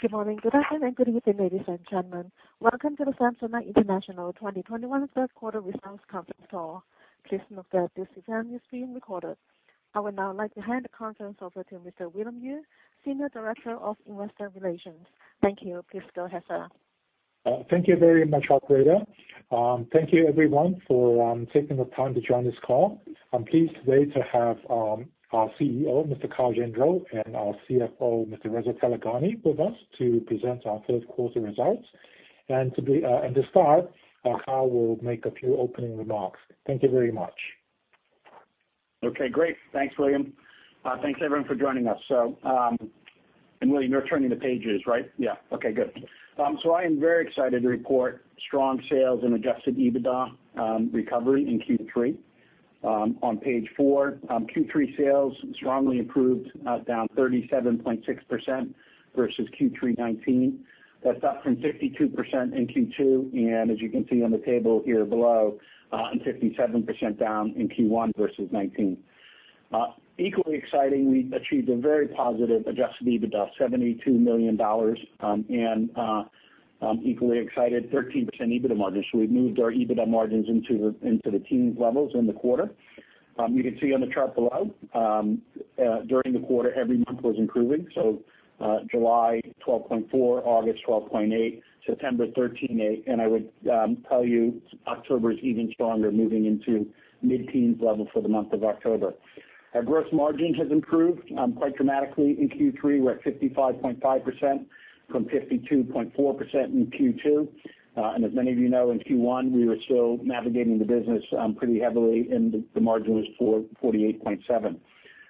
Good morning, good afternoon, and good evening, ladies and gentlemen. Welcome to the Samsonite International 2021 third quarter results conference call. Please note that this event is being recorded. I would now like to hand the conference over to Mr. William Yue, Senior Director of Investor Relations. Thank you. Please go ahead, sir. Thank you very much, operator. Thank you everyone for taking the time to join this call. I'm pleased today to have our CEO, Mr. Kyle Gendreau, and our CFO, Mr. Reza Taleghani, with us to present our third quarter results. To start, Kyle Gendreau will make a few opening remarks. Thank you very much. Okay, great. Thanks, William. Thanks everyone for joining us. William, you're turning the pages, right? Yeah. Okay, good. I am very excited to report strong sales and adjusted EBITDA recovery in Q3. On page four, Q3 sales strongly improved, down 37.6% versus Q3 2019. That's up from 52% in Q2, and as you can see on the table here below, and 57% down in Q1 versus 2019. Equally exciting, we achieved a very positive adjusted EBITDA, $72 million, and equally excited, 13% EBITDA margin. We've moved our EBITDA margins into the teens levels in the quarter. You can see on the chart below, during the quarter, every month was improving. July 12.4%, August 12.8%, September 13.8%, and I would tell you October is even stronger moving into mid-teens level for the month of October. Our gross margin has improved quite dramatically in Q3. We're at 55.5% from 52.4% in Q2. And as many of you know, in Q1, we were still navigating the business pretty heavily, and the margin was 48.7%.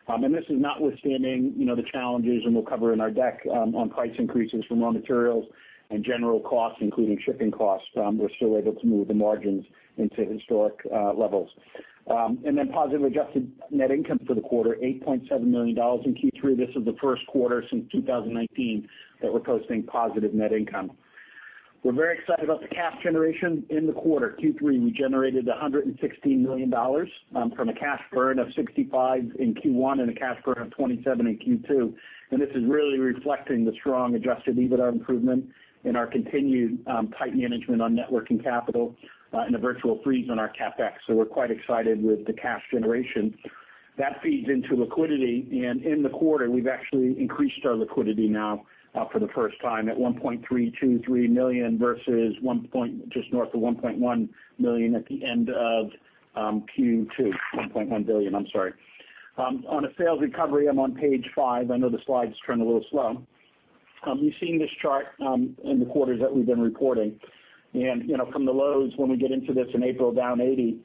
And this is notwithstanding, you know, the challenges, and we'll cover in our deck on price increases from raw materials and general costs, including shipping costs. We're still able to move the margins into historic levels. And then positive adjusted net income for the quarter, $8.7 million in Q3. This is the first quarter since 2019 that we're posting positive net income. We're very excited about the cash generation in the quarter. Q3, we generated $116 million from a cash burn of $65 million in Q1 and a cash burn of $27 million in Q2. This is really reflecting the strong adjusted EBITDA improvement and our continued tight management on net working capital and a virtual freeze on our CapEx. We're quite excited with the cash generation. That feeds into liquidity, and in the quarter, we've actually increased our liquidity now for the first time at $1.323 billion versus just north of $1.1 billion at the end of Q2. $1.1 billion, I'm sorry. On a sales recovery, I'm on page five. I know the slides turn a little slow. You've seen this chart in the quarters that we've been reporting. You know, from the lows when we get into this in April down 80%,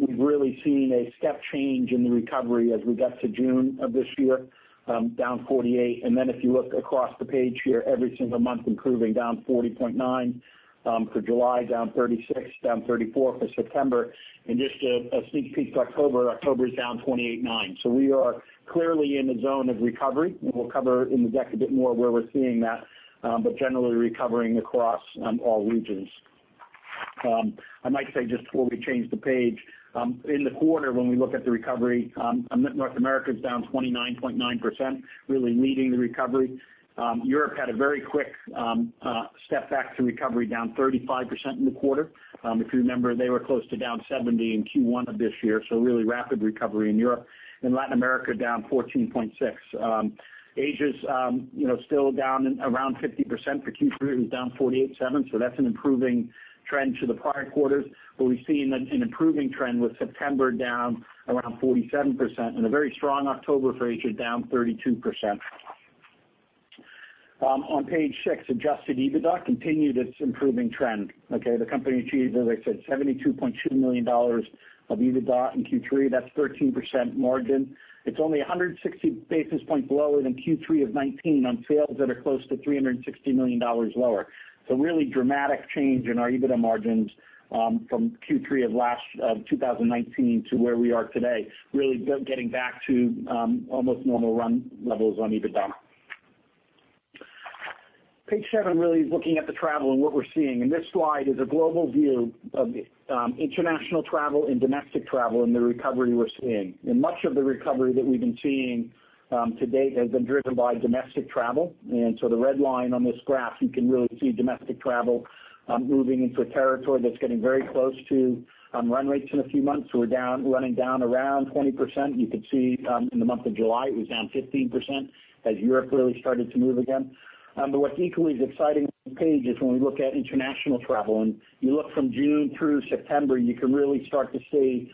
we've really seen a step change in the recovery as we got to June of this year, down 48%. Then if you look across the page here, every single month improving down 40.9% for July down 36%, down 34% for September. Just a sneak peek to October is down 28.9%. We are clearly in a zone of recovery, and we'll cover in the deck a bit more where we're seeing that, but generally recovering across all regions. I might say just before we change the page, in the quarter when we look at the recovery, North America is down 29.9%, really leading the recovery. Europe had a very quick snapback to recovery down 35% in the quarter. If you remember, they were close to down 70% in Q1 of this year, so really rapid recovery in Europe. In Latin America, down 14.6%. Asia's, you know, still down around 50% for Q3. It was down 48.7%, so that's an improving trend to the prior quarters. But we've seen an improving trend with September down around 47% and a very strong October for Asia down 32%. On page six, adjusted EBITDA continued its improving trend, okay? The company achieved, as I said, $72.2 million of EBITDA in Q3. That's 13% margin. It's only 160 basis points lower than Q3 of 2019 on sales that are close to $360 million lower. So really dramatic change in our EBITDA margins from Q3 of last 2019 to where we are today, getting back to almost normal run levels on EBITDA. Page 7 really is looking at the travel and what we're seeing. This slide is a global view of international travel and domestic travel and the recovery we're seeing. Much of the recovery that we've been seeing to date has been driven by domestic travel. The red line on this graph, you can really see domestic travel moving into a territory that's getting very close to run rates in a few months. We're down, running down around 20%. You could see in the month of July, it was down 15% as Europe really started to move again. But what's equally as exciting on the page is when we look at international travel, and you look from June through September, you can really start to see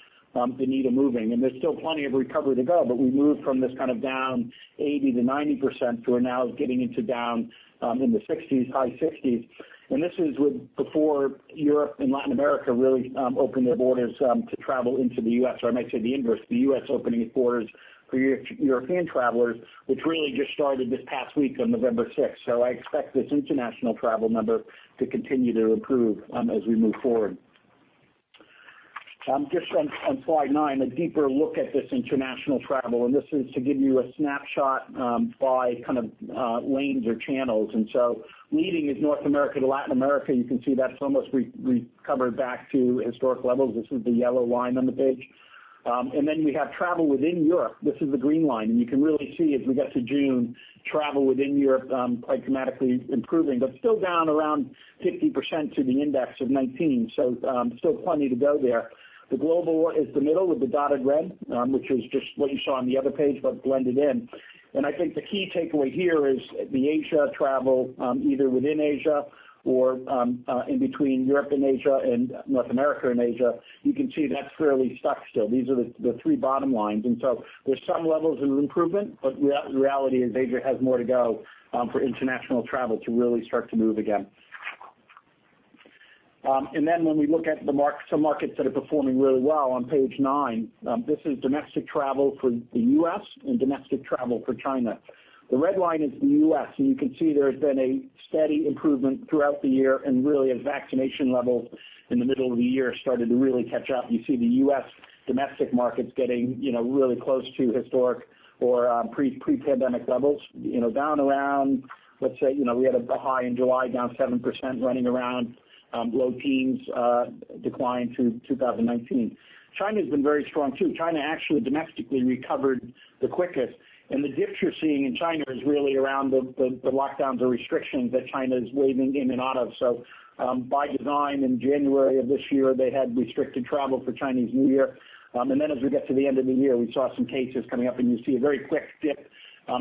the needle moving. There's still plenty of recovery to go, but we moved from this kind of down 80%-90% to where now is getting into down in the 60s, high 60s. This is before Europe and Latin America really opened their borders to travel into the U.S., or I might say the inverse, the U.S. opening its borders for European travelers, which really just started this past week on November sixth. I expect this international travel number to continue to improve as we move forward. Just on slide 9, a deeper look at this international travel, and this is to give you a snapshot by kind of lanes or channels. Leading is North America to Latin America. You can see that's almost recovered back to historic levels. This is the yellow line on the page, and then we have travel within Europe. This is the green line, and you can really see as we get to June, travel within Europe, quite dramatically improving, but still down around 50% to the index of 19. Still plenty to go there. The global is the middle with the dotted red, which is just what you saw on the other page, but blended in. I think the key takeaway here is the Asia travel, either within Asia or, in between Europe and Asia and North America and Asia, you can see that's fairly stuck still. These are the three bottom lines. There's some levels of improvement, but reality is Asia has more to go, for international travel to really start to move again. When we look at some markets that are performing really well on page nine, this is domestic travel for the U.S. and domestic travel for China. The red line is the U.S., and you can see there has been a steady improvement throughout the year, and really as vaccination levels in the middle of the year started to really catch up. You see the U.S. domestic markets getting, you know, really close to historic or pre-pandemic levels, you know, down around, let's say, you know, we had a high in July down 7% running around low teens decline to 2019. China's been very strong too. China actually domestically recovered the quickest. The dips you're seeing in China is really around the lockdowns or restrictions that China's wavering in and out of. By design in January of this year, they had restricted travel for Chinese New Year. As we get to the end of the year, we saw some cases coming up, and you see a very quick dip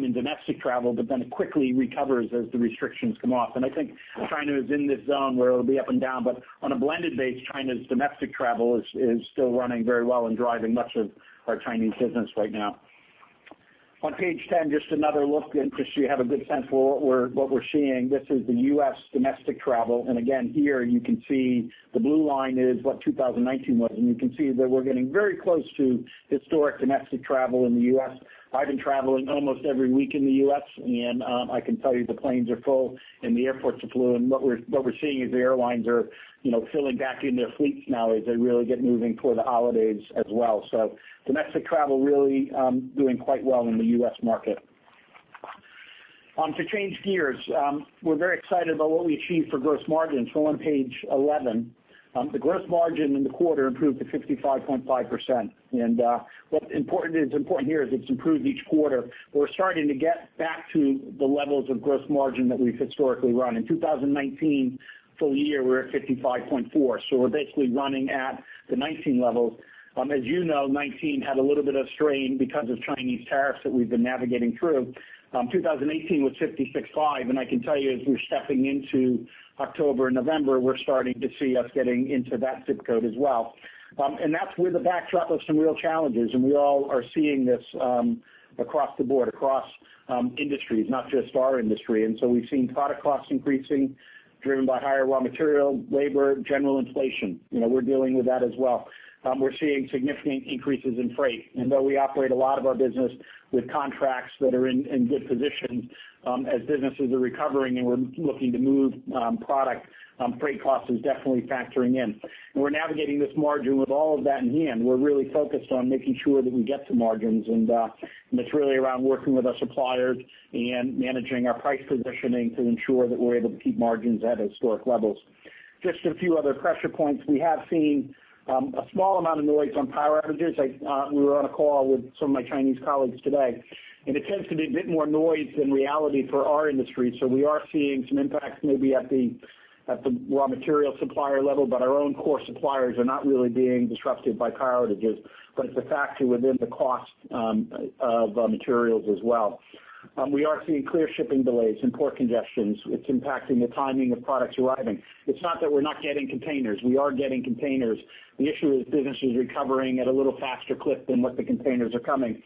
in domestic travel, but then it quickly recovers as the restrictions come off. I think China is in this zone where it'll be up and down, but on a blended base, China's domestic travel is still running very well and driving much of our Chinese business right now. On page 10, just another look in, just so you have a good sense for what we're seeing. This is the U.S. domestic travel. Again, here you can see the blue line is what 2019 was, and you can see that we're getting very close to historic domestic travel in the U.S. I've been traveling almost every week in the U.S., and I can tell you the planes are full and the airports are full. What we're seeing is the airlines are, you know, filling back in their fleets now as they really get moving toward the holidays as well. Domestic travel really doing quite well in the U.S. market. To change gears, we're very excited about what we achieved for gross margins. On page 11, the gross margin in the quarter improved to 65.5%. What's important here is it's improved each quarter. We're starting to get back to the levels of gross margin that we've historically run. In 2019 full year, we were at 55.4%, so we're basically running at the 2019 levels. As you know, 2019 had a little bit of strain because of Chinese tariffs that we've been navigating through. 2018 was 56.5%, and I can tell you as we're stepping into October and November, we're starting to see us getting into that ZIP Code as well. That's with a backdrop of some real challenges, and we all are seeing this across the board, across industries, not just our industry. We've seen product costs increasing, driven by higher raw material, labor, general inflation. You know, we're dealing with that as well. We're seeing significant increases in freight. Though we operate a lot of our business with contracts that are in good position, as businesses are recovering and we're looking to move product, freight cost is definitely factoring in. We're navigating this margin with all of that in hand. We're really focused on making sure that we get to margins and it's really around working with our suppliers and managing our price positioning to ensure that we're able to keep margins at historic levels. Just a few other pressure points. We have seen a small amount of noise on power outages. We were on a call with some of my Chinese colleagues today, and it tends to be a bit more noise than reality for our industry. We are seeing some impacts maybe at the raw material supplier level, but our own core suppliers are not really being disrupted by power outages. It's a factor within the cost of materials as well. We are seeing clear shipping delays and port congestions. It's impacting the timing of products arriving. It's not that we're not getting containers. We are getting containers. The issue is businesses recovering at a little faster clip than what the containers are coming.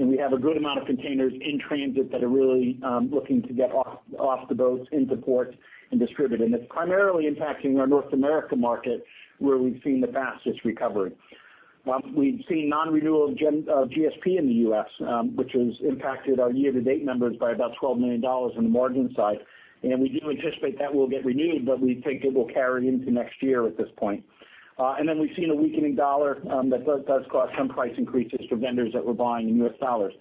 We have a good amount of containers in transit that are really looking to get off the boats into ports and distribute. It's primarily impacting our North America market where we've seen the fastest recovery. We've seen non-renewal of GSP in the U.S., which has impacted our year-to-date numbers by about $12 million on the margin side. We do anticipate that will get renewed, but we think it will carry into next year at this point. We've seen a weakening dollar that does cause some price increases for vendors that we're buying in U.S. dollars.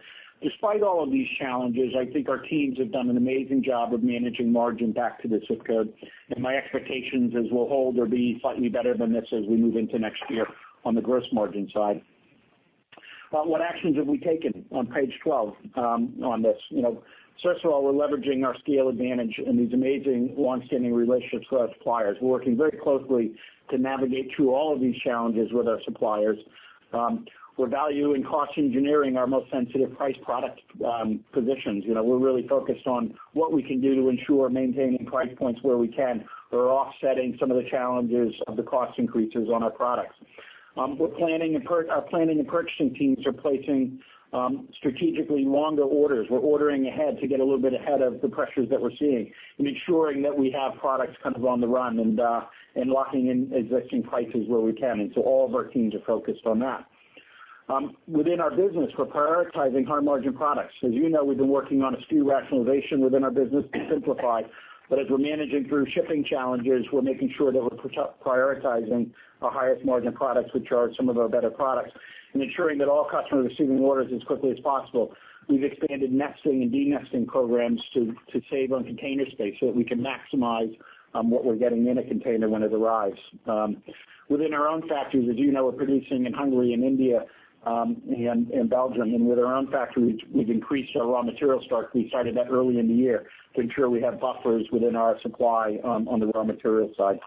Despite all of these challenges, I think our teams have done an amazing job of managing margin back to the zip code. My expectations is we'll hold or be slightly better than this as we move into next year on the gross margin side. What actions have we taken on page twelve on this? You know, first of all, we're leveraging our scale advantage and these amazing longstanding relationships with our suppliers. We're working very closely to navigate through all of these challenges with our suppliers. We're value and cost engineering our most sensitive price product positions. You know, we're really focused on what we can do to ensure maintaining price points where we can. We're offsetting some of the challenges of the cost increases on our products. Our planning and purchasing teams are placing strategically longer orders. We're ordering ahead to get a little bit ahead of the pressures that we're seeing and ensuring that we have products kind of on the run and locking in existing prices where we can. All of our teams are focused on that. Within our business, we're prioritizing high margin products. As you know, we've been working on a SKU rationalization within our business to simplify. As we're managing through shipping challenges, we're making sure that we're prioritizing our highest margin products, which are some of our better products, and ensuring that all customers are receiving orders as quickly as possible. We've expanded nesting and denesting programs to save on container space so that we can maximize what we're getting in a container when it arrives. Within our own factories, as you know, we're producing in Hungary and India, and Belgium. With our own factories, we've increased our raw material stocks. We started that early in the year to ensure we have buffers within our supply, on the raw material side.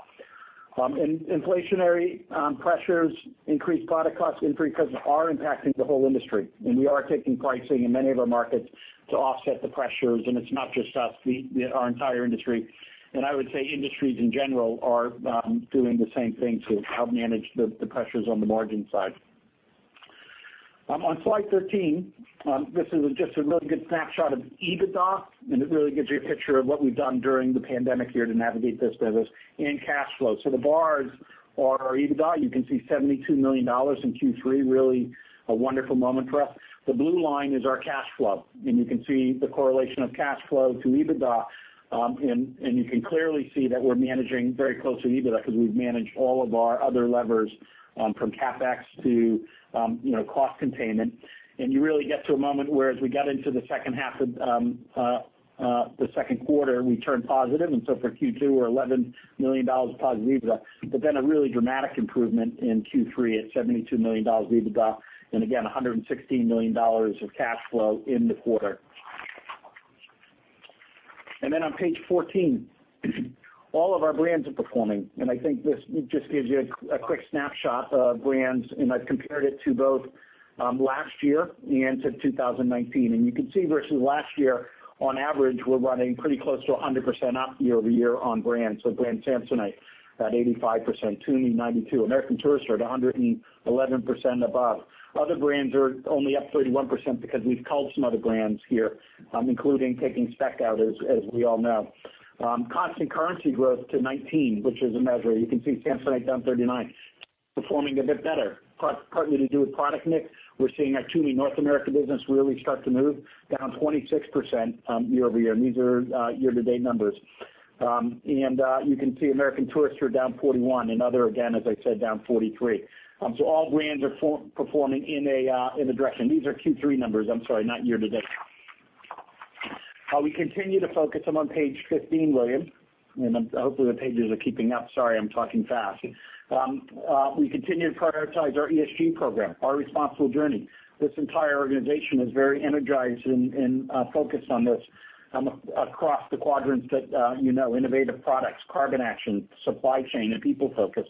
Inflationary pressures, increased product costs are impacting the whole industry. We are taking pricing in many of our markets to offset the pressures, and it's not just us, our entire industry. I would say industries in general are doing the same thing to help manage the pressures on the margin side. On slide 13, this is just a really good snapshot of EBITDA, and it really gives you a picture of what we've done during the pandemic year to navigate this business and cash flow. The bars are our EBITDA. You can see $72 million in Q3, really a wonderful moment for us. The blue line is our cash flow, and you can see the correlation of cash flow to EBITDA. You can clearly see that we're managing very close to EBITDA because we've managed all of our other levers, from CapEx to, you know, cost containment. You really get to a moment where as we got into the second half of the second quarter, we turned positive. For Q2, we're $11 million of positive EBITDA. A really dramatic improvement in Q3 at $72 million EBITDA, and again, $116 million of cash flow in the quarter. On page 14, all of our brands are performing. I think this just gives you a quick snapshot of brands, and I've compared it to both last year and to 2019. You can see versus last year, on average, we're running pretty close to 100% up year-over-year on brands. Brand Samsonite at 85%, TUMI 92%, American Tourister at 111% above. Other brands are only up 31% because we've culled some other brands here, including taking Speck out, as we all know. Constant currency growth to 2019, which is a measure. You can see Samsonite down 39%, performing a bit better, partly to do with product mix. We're seeing our TUMI North America business really start to move, down 26% year-over-year. These are year-to-date numbers. You can see American Tourister down 41%, and others again, as I said, down 43%. All brands are underperforming in a direction. These are Q3 numbers, I'm sorry, not year-to-date. We continue to focus. I'm on page 15, William. Hopefully the pages are keeping up. Sorry, I'm talking fast. We continue to prioritize our ESG program, our Responsible Journey. This entire organization is very energized and focused on this across the quadrants that you know, innovative products, carbon action, supply chain, and people focus.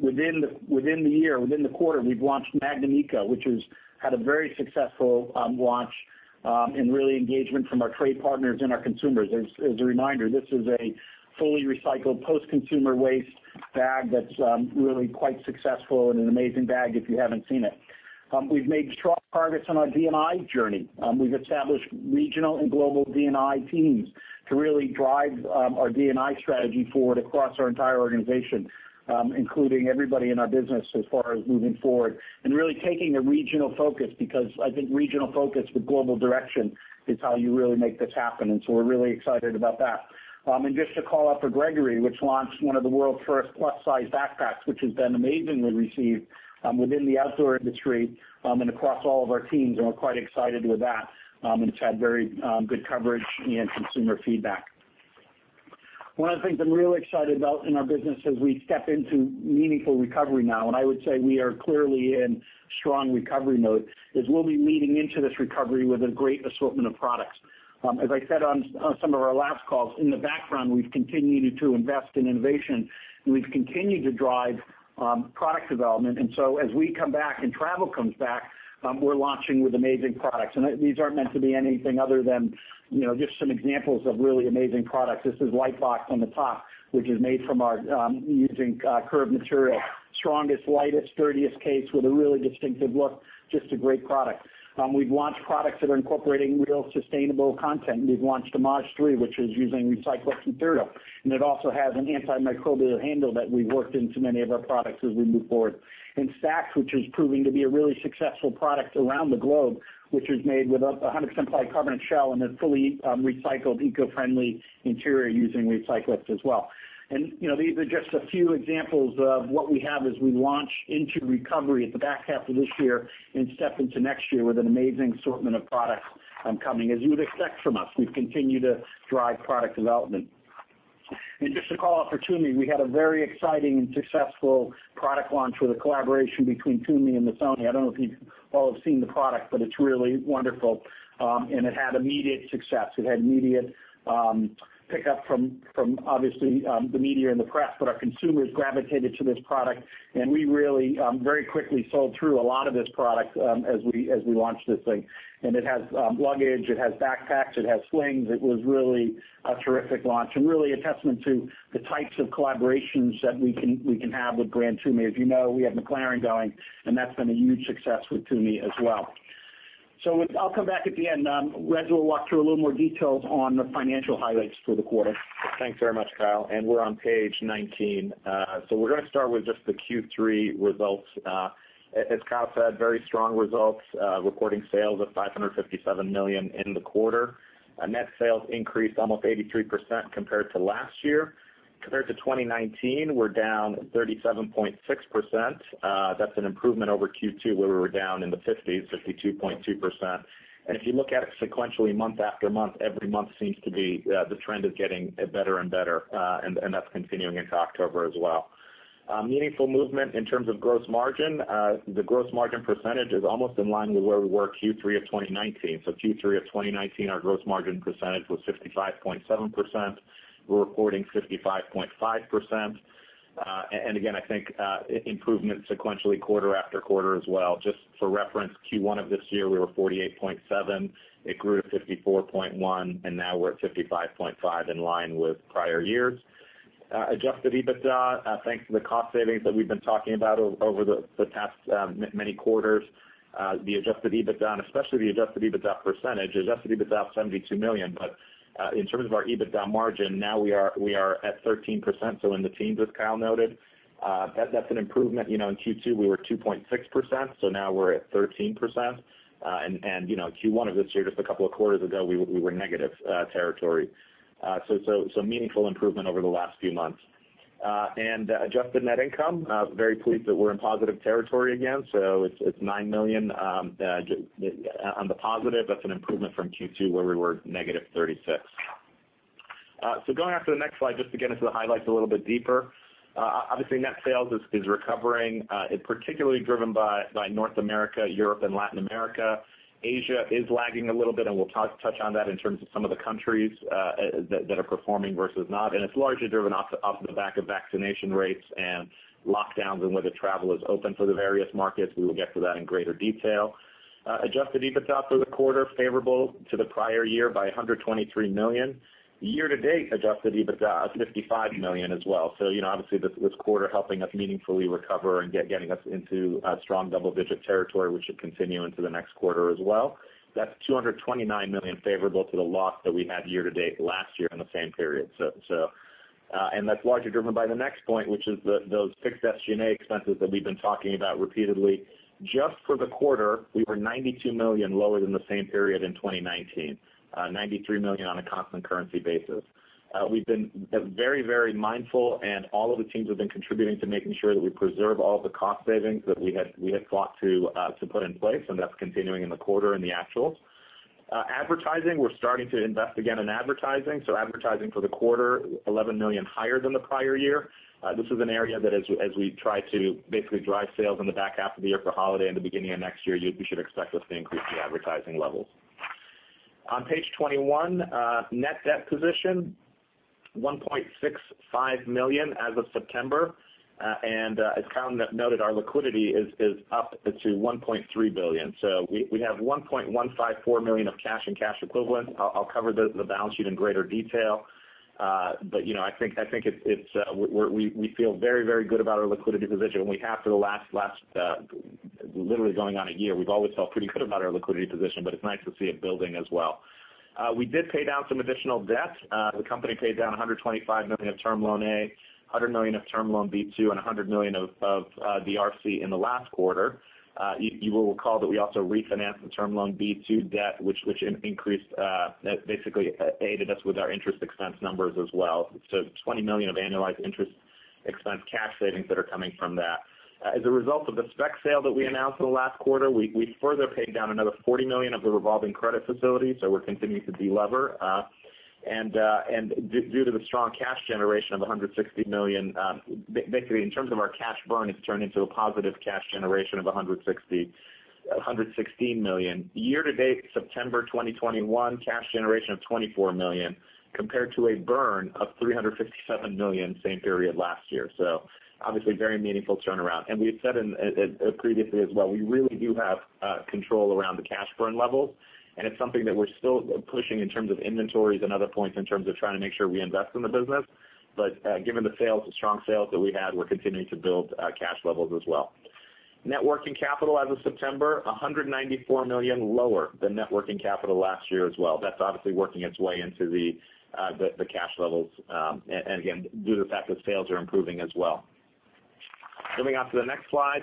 Within the quarter, we've launched Magnum Eco, which has had a very successful launch and real engagement from our trade partners and our consumers. As a reminder, this is a fully recycled post-consumer waste bag that's really quite successful and an amazing bag if you haven't seen it. We've made strong progress on our D&I journey. We've established regional and global D&I teams to really drive our D&I strategy forward across our entire organization, including everybody in our business as far as moving forward and really taking a regional focus because I think regional focus with global direction is how you really make this happen. We're really excited about that. Just to call out for Gregory, which launched one of the world's first plus size backpacks, which has been amazingly received within the outdoor industry and across all of our teams, and we're quite excited with that. It's had very good coverage and consumer feedback. One of the things I'm really excited about in our business as we step into meaningful recovery now, and I would say we are clearly in strong recovery mode, is we'll be leading into this recovery with a great assortment of products. As I said on some of our last calls, in the background, we've continued to invest in innovation, and we've continued to drive product development. As we come back and travel comes back, we're launching with amazing products. These aren't meant to be anything other than, you know, just some examples of really amazing products. This is Lite-Box on the top, which is made from our Curv material, strongest, lightest, sturdiest case with a really distinctive look, just a great product. We've launched products that are incorporating real sustainable content. We've launched the Modus, which is using recycled Synthermo. It also has an antimicrobial handle that we've worked into many of our products as we move forward. StackD, which is proving to be a really successful product around the globe, which is made with a 100% carbon shell and a fully recycled eco-friendly interior using recyclates as well. You know, these are just a few examples of what we have as we launch into recovery at the back half of this year and step into next year with an amazing assortment of products coming. As you would expect from us, we've continued to drive product development. Just to call out for TUMI, we had a very exciting and successful product launch with a collaboration between TUMI and the Sony. I don't know if you all have seen the product, but it's really wonderful. It had immediate success. It had immediate pickup from obviously the media and the press, but our consumers gravitated to this product. We really very quickly sold through a lot of this product as we launched this thing. It has luggage, it has backpacks, it has slings. It was really a terrific launch and really a testament to the types of collaborations that we can have with brand TUMI. As you know, we have McLaren going, and that's been a huge success with TUMI as well. I'll come back at the end. Rez will walk through a little more details on the financial highlights for the quarter. Thanks very much, Kyle. We're on page 19. We're gonna start with just the Q3 results. As Kyle said, very strong results, reporting sales of $557 million in the quarter. Net sales increased almost 83% compared to last year. Compared to 2019, we're down 37.6%. That's an improvement over Q2, where we were down in the fifties, 52.2%. If you look at it sequentially month after month, every month seems to be the trend is getting better and better, and that's continuing into October as well. Meaningful movement in terms of gross margin. The gross margin percentage is almost in line with where we were Q3 of 2019. Q3 of 2019, our gross margin percentage was 65.7%. We're reporting 55.5%. Again, I think improvement sequentially quarter after quarter as well. Just for reference, Q1 of this year, we were 48.7%. It grew to 54.1%, and now we're at 55.5%, in line with prior years. Adjusted EBITDA thanks to the cost savings that we've been talking about over the past many quarters, the adjusted EBITDA and especially the adjusted EBITDA percentage. Adjusted EBITDA of $72 million. In terms of our EBITDA margin, now we are at 13%. In the teens, as Kyle noted. That's an improvement. You know, in Q2 we were 2.6%, so now we're at 13%. You know, Q1 of this year, just a couple of quarters ago, we were negative territory. Meaningful improvement over the last few months. Adjusted net income, very pleased that we're in positive territory again. It's $9 million on the positive. That's an improvement from Q2, where we were negative $36 million. Going on to the next slide, just to get into the highlights a little bit deeper. Obviously net sales is recovering. It's particularly driven by North America, Europe and Latin America. Asia is lagging a little bit, and we'll touch on that in terms of some of the countries that are performing versus not. It's largely driven off the back of vaccination rates and lockdowns and whether travel is open for the various markets. We will get to that in greater detail. Adjusted EBITDA for the quarter, favorable to the prior year by $123 million. Year to date, adjusted EBITDA is $55 million as well. You know, obviously this quarter helping us meaningfully recover and getting us into a strong double digit territory, which should continue into the next quarter as well. That's $229 million favorable to the loss that we had year to date last year in the same period. That's largely driven by the next point, which is those fixed SG&A expenses that we've been talking about repeatedly. Just for the quarter, we were $92 million lower than the same period in 2019. $93 million on a constant currency basis. We've been very mindful and all of the teams have been contributing to making sure that we preserve all the cost savings that we had fought to put in place, and that's continuing in the quarter in the actuals. Advertising, we're starting to invest again in advertising, so advertising for the quarter, $11 million higher than the prior year. This is an area that as we try to basically drive sales in the back half of the year for holiday and the beginning of next year, we should expect us to increase the advertising levels. On page 21, net debt position, $1.65 million as of September. As Kyle noted, our liquidity is up to $1.3 billion. We have $1.154 million of cash and cash equivalents. I'll cover the balance sheet in greater detail. I think we feel very good about our liquidity position. We have for the last literally going on a year. We've always felt pretty good about our liquidity position, but it's nice to see it building as well. We did pay down some additional debt. The company paid down $125 million of Term Loan A, $100 million of Term Loan B two, and $100 million of the RC in the last quarter. You will recall that we also refinanced the Term Loan B two debt, which basically aided us with our interest expense numbers as well. $20 million of annualized interest expense cash savings that are coming from that. As a result of the Speck sale that we announced in the last quarter, we further paid down another $40 million of the revolving credit facility, so we're continuing to de-lever. Due to the strong cash generation of $116 million, basically in terms of our cash burn, it's turned into a positive cash generation of $116 million. Year to date, September 2021, cash generation of $24 million compared to a burn of $357 million same period last year. Obviously very meaningful turnaround. We've said in previously as well, we really do have control around the cash burn levels, and it's something that we're still pushing in terms of inventories and other points in terms of trying to make sure we invest in the business. Given the sales, the strong sales that we had, we're continuing to build cash levels as well. Net working capital as of September is $194 million lower than net working capital last year as well. That's obviously working its way into the cash levels and again, due to the fact that sales are improving as well. Moving on to the next slide.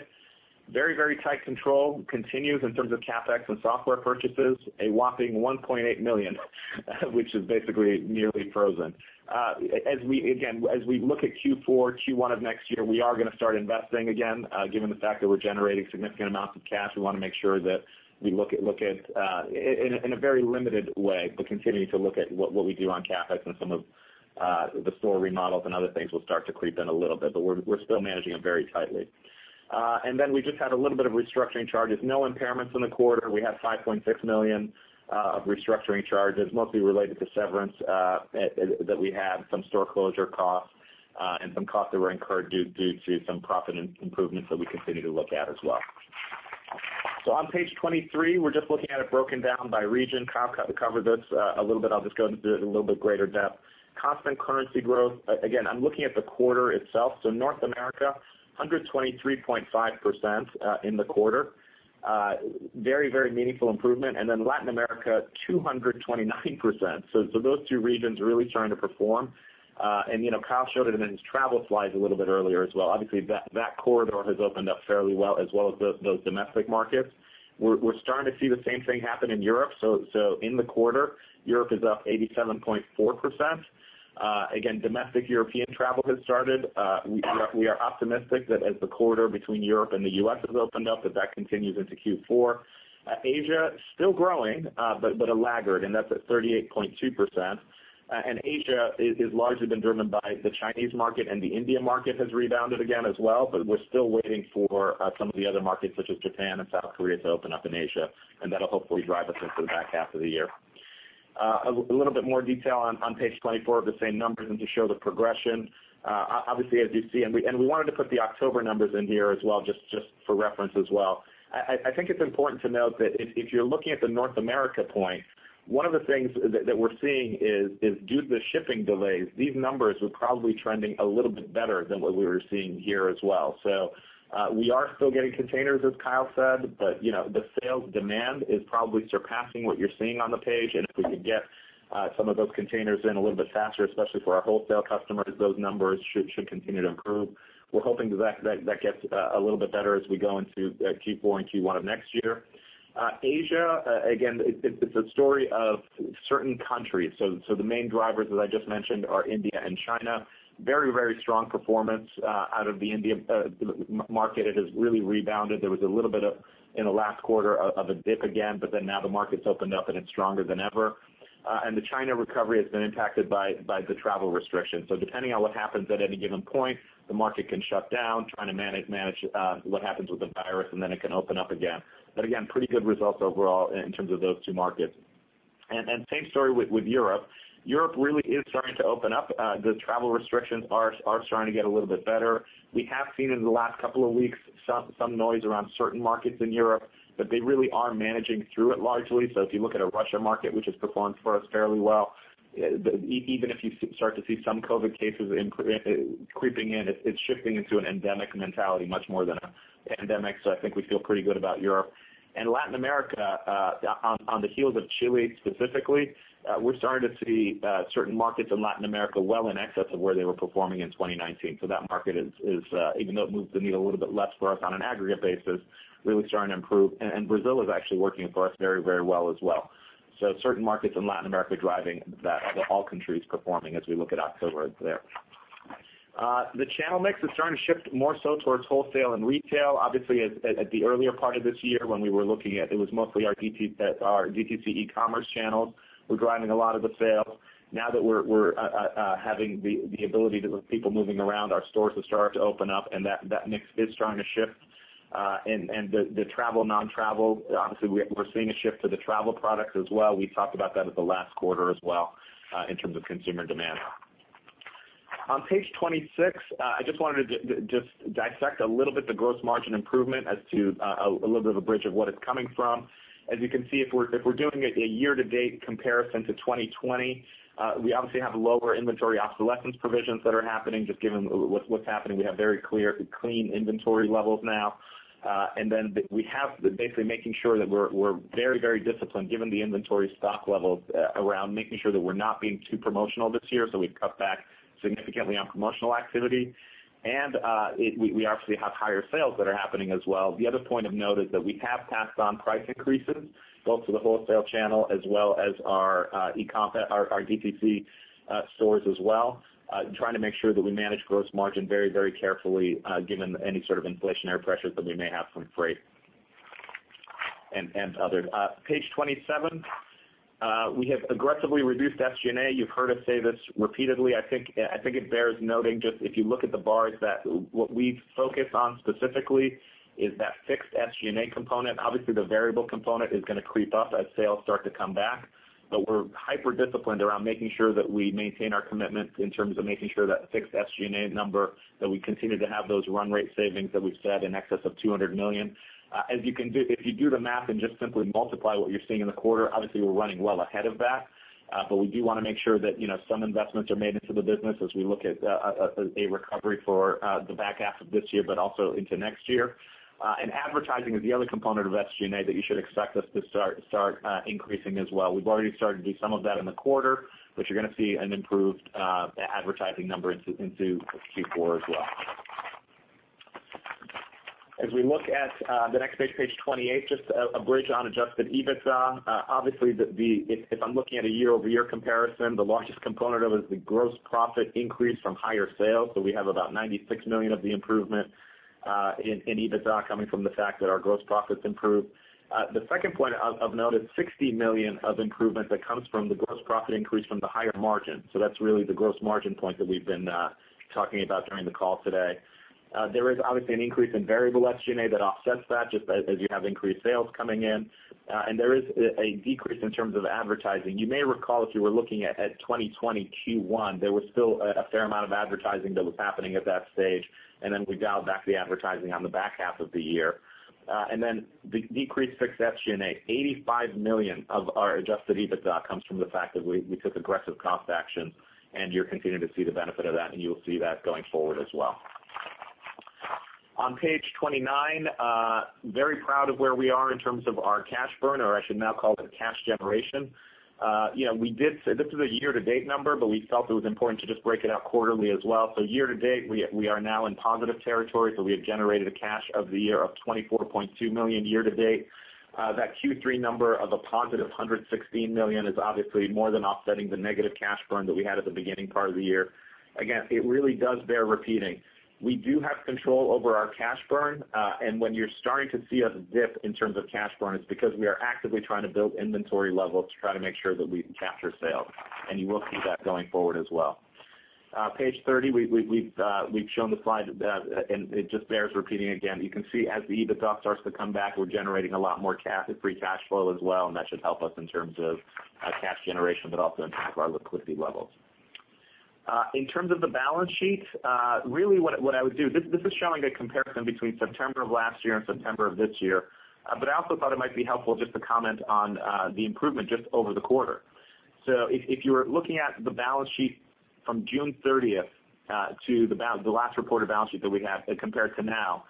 Very tight control continues in terms of CapEx and software purchases. A whopping $1.8 million, which is basically nearly frozen. As we look at Q4, Q1 of next year, we are gonna start investing again. Given the fact that we're generating significant amounts of cash, we wanna make sure that we look at in a very limited way, but continuing to look at what we do on CapEx and some of the store remodels and other things will start to creep in a little bit, but we're still managing them very tightly. We just had a little bit of restructuring charges. No impairments in the quarter. We had $5.6 million of restructuring charges, mostly related to severance that we had, some store closure costs, and some costs that were incurred due to some profit improvements that we continue to look at as well. On page 23, we're just looking at it broken down by region. Kyle kind of covered this a little bit. I'll just go into it in a little bit greater depth. Constant currency growth. Again, I'm looking at the quarter itself. North America, 123.5% in the quarter. Very, very meaningful improvement. And then Latin America, 229%. Those two regions really starting to perform. And you know, Kyle showed it in his travel slides a little bit earlier as well. Obviously that corridor has opened up fairly well, as well as those domestic markets. We're starting to see the same thing happen in Europe. In the quarter, Europe is up 87.4%. Again, domestic European travel has started. We are optimistic that as the corridor between Europe and the U.S. has opened up, that continues into Q4. Asia still growing, but a laggard, and that's at 38.2%. Asia is largely been driven by the Chinese market, and the India market has rebounded again as well. We're still waiting for some of the other markets such as Japan and South Korea to open up in Asia, and that'll hopefully drive us into the back half of the year. A little bit more detail on page 24 of the same numbers and to show the progression. Obviously, as you see, and we wanted to put the October numbers in here as well, just for reference as well. I think it's important to note that if you're looking at the North America point, one of the things that we're seeing is due to the shipping delays, these numbers were probably trending a little bit better than what we were seeing here as well. We are still getting containers, as Kyle said, but you know, the sales demand is probably surpassing what you're seeing on the page. If we could get some of those containers in a little bit faster, especially for our wholesale customers, those numbers should continue to improve. We're hoping that gets a little bit better as we go into Q4 and Q1 of next year. Asia, again, it's a story of certain countries. The main drivers, as I just mentioned, are India and China. Very, very strong performance out of the India market. It has really rebounded. There was a little bit of, in the last quarter, a dip again, but now the market's opened up and it's stronger than ever. The China recovery has been impacted by the travel restrictions. Depending on what happens at any given point, the market can shut down, trying to manage what happens with the virus, and then it can open up again. Pretty good results overall in terms of those two markets. Same story with Europe. Europe really is starting to open up. The travel restrictions are starting to get a little bit better. We have seen in the last couple of weeks some noise around certain markets in Europe, but they really are managing through it largely. If you look at the Russian market, which has performed for us fairly well, even if you start to see some COVID cases creeping in, it's shifting into an endemic mentality much more than a pandemic. I think we feel pretty good about Europe. Latin America, on the heels of Chile specifically, we're starting to see certain markets in Latin America well in excess of where they were performing in 2019. That market is, even though it moved the needle a little bit less for us on an aggregate basis, really starting to improve. Brazil is actually working for us very well as well. Certain markets in Latin America driving that, all countries performing as we look at October there. The channel mix is starting to shift more so towards wholesale and retail. Obviously, at the earlier part of this year when we were looking at, it was mostly our DTC e-commerce channels were driving a lot of the sales. Now that we're having the ability to with people moving around, our stores have started to open up and that mix is starting to shift. The travel, non-travel, obviously, we're seeing a shift to the travel products as well. We talked about that at the last quarter as well in terms of consumer demand. On page 26, I just wanted to just dissect a little bit the gross margin improvement as to a little bit of a bridge of what it's coming from. As you can see, if we're doing a year-to-date comparison to 2020, we obviously have lower inventory obsolescence provisions that are happening just given what's happening. We have very clear, clean inventory levels now. We have basically making sure that we're very disciplined given the inventory stock levels around making sure that we're not being too promotional this year. We've cut back significantly on promotional activity. We obviously have higher sales that are happening as well. The other point of note is that we have passed on price increases both to the wholesale channel as well as our DTC stores as well, trying to make sure that we manage gross margin very, very carefully, given any sort of inflationary pressures that we may have from freight and others. Page 27, we have aggressively reduced SG&A. You've heard us say this repeatedly. I think it bears noting just if you look at the bars that what we've focused on specifically is that fixed SG&A component. Obviously, the variable component is gonna creep up as sales start to come back. We're hyper-disciplined around making sure that we maintain our commitment in terms of making sure that fixed SG&A number, that we continue to have those run rate savings that we've said in excess of $200 million. If you do the math and just simply multiply what you're seeing in the quarter, obviously, we're running well ahead of that. We do wanna make sure that, you know, some investments are made into the business as we look at a recovery for the back half of this year, but also into next year. Advertising is the other component of SG&A that you should expect us to start increasing as well. We've already started to do some of that in the quarter, but you're gonna see an improved advertising number into Q4 as well. As we look at the next page 28, just a bridge on adjusted EBITDA. Obviously, if I'm looking at a year-over-year comparison, the largest component of it is the gross profit increase from higher sales. So we have about $96 million of the improvement in EBITDA coming from the fact that our gross profits improved. The second point of note is $60 million of improvement that comes from the gross profit increase from the higher margin. So that's really the gross margin point that we've been talking about during the call today. There is obviously an increase in variable SG&A that offsets that just as you have increased sales coming in. There is a decrease in terms of advertising. You may recall if you were looking at 2020 Q1, there was still a fair amount of advertising that was happening at that stage, and then we dialed back the advertising on the back half of the year. The decreased fixed SG&A, $85 million of our adjusted EBITDA comes from the fact that we took aggressive cost action, and you're continuing to see the benefit of that, and you will see that going forward as well. On page 29, very proud of where we are in terms of our cash burn, or I should now call it cash generation. You know, we did say this is a year-to-date number, but we felt it was important to just break it out quarterly as well. Year to date, we are now in positive territory, so we have generated cash year to date of $24.2 million year to date. That Q3 number of a positive $116 million is obviously more than offsetting the negative cash burn that we had at the beginning part of the year. Again, it really does bear repeating. We do have control over our cash burn, and when you're starting to see a dip in terms of cash burn, it's because we are actively trying to build inventory levels to try to make sure that we can capture sales, and you will see that going forward as well. Page 30, we've shown the slide that, and it just bears repeating again. You can see as the EBITDA starts to come back, we're generating a lot more cash and free cash flow as well, and that should help us in terms of cash generation, but also impact our liquidity levels. In terms of the balance sheet, really what I would do. This is showing a comparison between September of last year and September of this year. But I also thought it might be helpful just to comment on the improvement just over the quarter. If you're looking at the balance sheet from June 30 to the last reported balance sheet that we have and compared to now,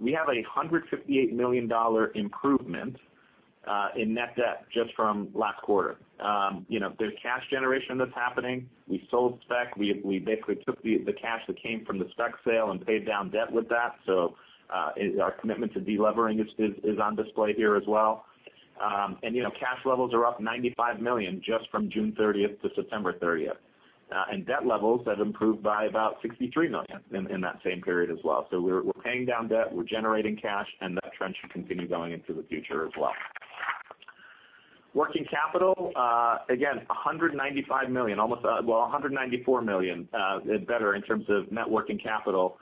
we have a $158 million improvement in net debt just from last quarter. You know, there's cash generation that's happening. We sold Speck. We basically took the cash that came from the Speck sale and paid down debt with that. Our commitment to de-levering is on display here as well. You know, cash levels are up $95 million just from June 30 to September 30. Debt levels have improved by about $63 million in that same period as well. We're paying down debt, we're generating cash, and that trend should continue going into the future as well. Working capital, again, $195 million, almost, well, $194 million, better in terms of net working capital,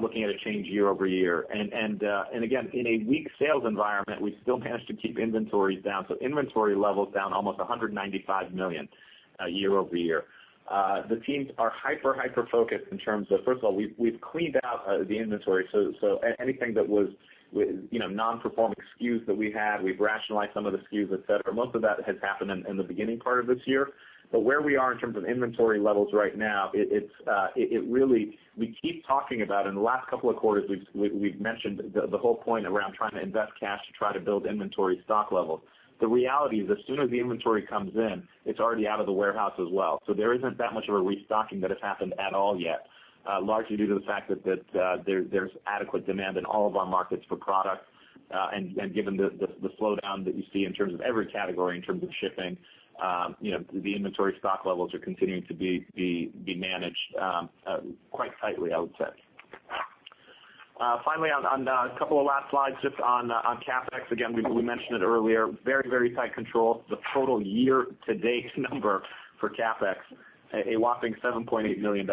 looking at a change year-over-year. Again, in a weak sales environment, we still managed to keep inventories down. Inventory levels down almost $195 million year-over-year. The teams are hyper-focused in terms of, first of all, we've cleaned out the inventory, so anything that was, you know, nonperforming SKUs that we had, we've rationalized some of the SKUs, et cetera. Most of that has happened in the beginning part of this year. Where we are in terms of inventory levels right now, it's really, we keep talking about, in the last couple of quarters, we've mentioned the whole point around trying to invest cash to try to build inventory stock levels. The reality is, as soon as the inventory comes in, it's already out of the warehouse as well. There isn't that much of a restocking that has happened at all yet, largely due to the fact that there's adequate demand in all of our markets for product. Given the slowdown that you see in terms of every category in terms of shipping, you know, the inventory stock levels are continuing to be managed quite tightly, I would say. Finally, on a couple of last slides just on CapEx. Again, we mentioned it earlier, very tight control. The total year-to-date number for CapEx, a whopping $7.8 million,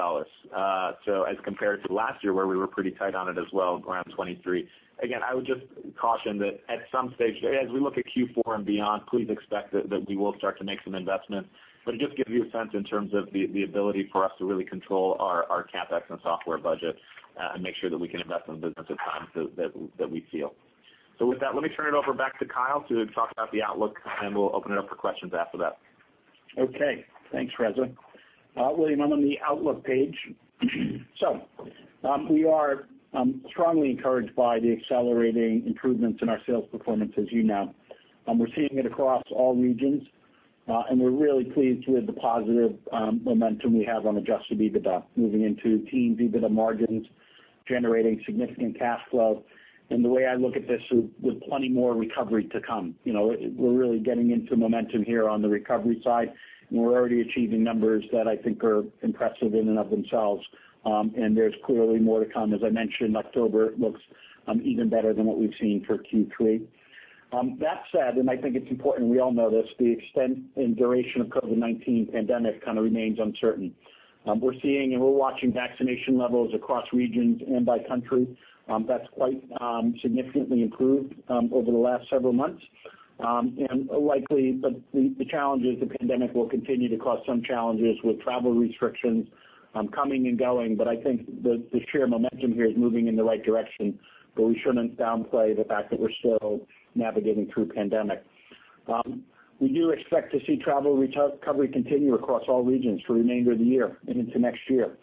so as compared to last year, where we were pretty tight on it as well, around $23 million. Again, I would just caution that at some stage, as we look at Q4 and beyond, please expect that we will start to make some investments. But it just gives you a sense in terms of the ability for us to really control our CapEx and software budget, and make sure that we can invest in business at times that we feel. With that, let me turn it over back to Kyle to talk about the outlook, and we'll open it up for questions after that. Okay. Thanks, Reza. William, I'm on the Outlook page. We are strongly encouraged by the accelerating improvements in our sales performance, as you know. We're seeing it across all regions, and we're really pleased with the positive momentum we have on adjusted EBITDA moving into teens EBITDA margins, generating significant cash flow. The way I look at this, with plenty more recovery to come. You know, we're really getting into momentum here on the recovery side, and we're already achieving numbers that I think are impressive in and of themselves, and there's clearly more to come. As I mentioned, October looks even better than what we've seen for Q3. That said, I think it's important we all know this, the extent and duration of COVID-19 pandemic kind of remains uncertain. We're watching vaccination levels across regions and by country; that's quite significantly improved over the last several months. Likely the challenges the pandemic will continue to cause some challenges with travel restrictions coming and going. I think the sheer momentum here is moving in the right direction, but we shouldn't downplay the fact that we're still navigating through a pandemic. We do expect to see travel recovery continue across all regions for the remainder of the year and into next year.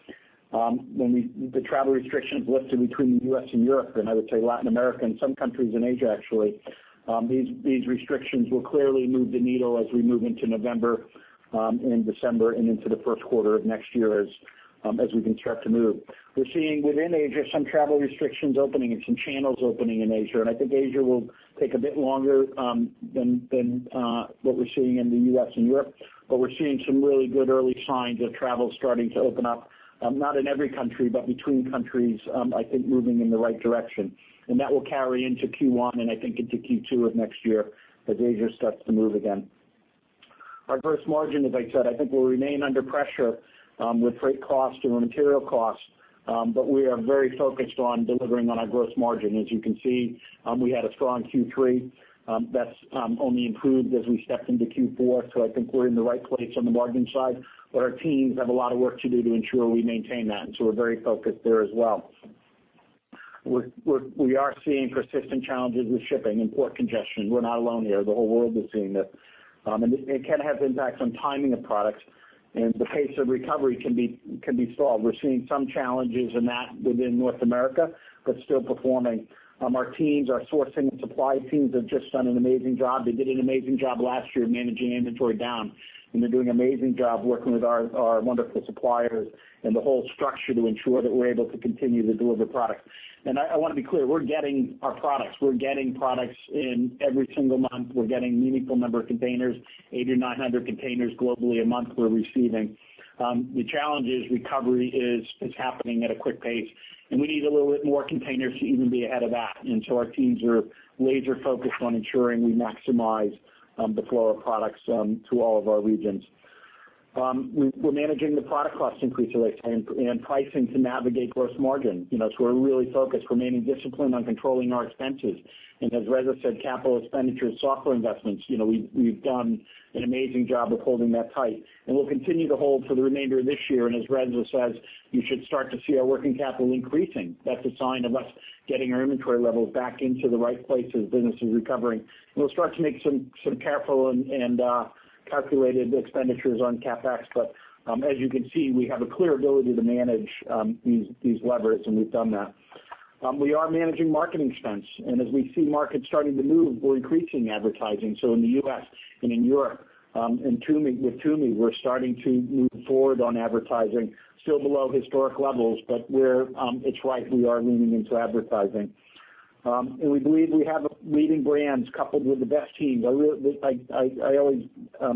The travel restrictions lifted between the U.S. and Europe, and I would say Latin America and some countries in Asia, actually, these restrictions will clearly move the needle as we move into November and December and into the first quarter of next year as we can start to move. We're seeing within Asia some travel restrictions opening and some channels opening in Asia. I think Asia will take a bit longer than what we're seeing in the U.S. and Europe. We're seeing some really good early signs of travel starting to open up, not in every country, but between countries, I think moving in the right direction. That will carry into Q1, and I think into Q2 of next year as Asia starts to move again. Our gross margin, as I said, I think will remain under pressure, with freight costs and raw material costs, but we are very focused on delivering on our gross margin. As you can see, we had a strong Q3. That's only improved as we step into Q4. I think we're in the right place on the margin side, but our teams have a lot of work to do to ensure we maintain that, and so we're very focused there as well. We are seeing persistent challenges with shipping and port congestion. We're not alone here. The whole world is seeing this. It can have impacts on timing of products, and the pace of recovery can be stalled. We're seeing some challenges in that within North America, but still performing. Our teams, our sourcing and supply teams have just done an amazing job. They did an amazing job last year managing inventory down, and they're doing an amazing job working with our wonderful suppliers and the whole structure to ensure that we're able to continue to deliver product. I wanna be clear, we're getting our products. We're getting products in every single month. We're getting meaningful number of containers, 800-900 containers globally a month we're receiving. The challenge is recovery is happening at a quick pace, and we need a little bit more containers to even be ahead of that. Our teams are laser-focused on ensuring we maximize the flow of products to all of our regions. We're managing the product cost increase relationship and pricing to navigate gross margin. You know, we're really focused remaining disciplined on controlling our expenses. As Reza said, capital expenditures, software investments, you know, we've done an amazing job of holding that tight. We'll continue to hold for the remainder of this year. As Reza says, you should start to see our working capital increasing. That's a sign of us getting our inventory levels back into the right place as business is recovering. We'll start to make some careful and calculated expenditures on CapEx. But as you can see, we have a clear ability to manage these levers, and we've done that. We are managing marketing spends. As we see markets starting to move, we're increasing advertising. In the U.S. and in Europe, in TUMI with TUMI, we're starting to move forward on advertising. Still below historic levels, but we are leaning into advertising. We believe we have leading brands coupled with the best teams. I always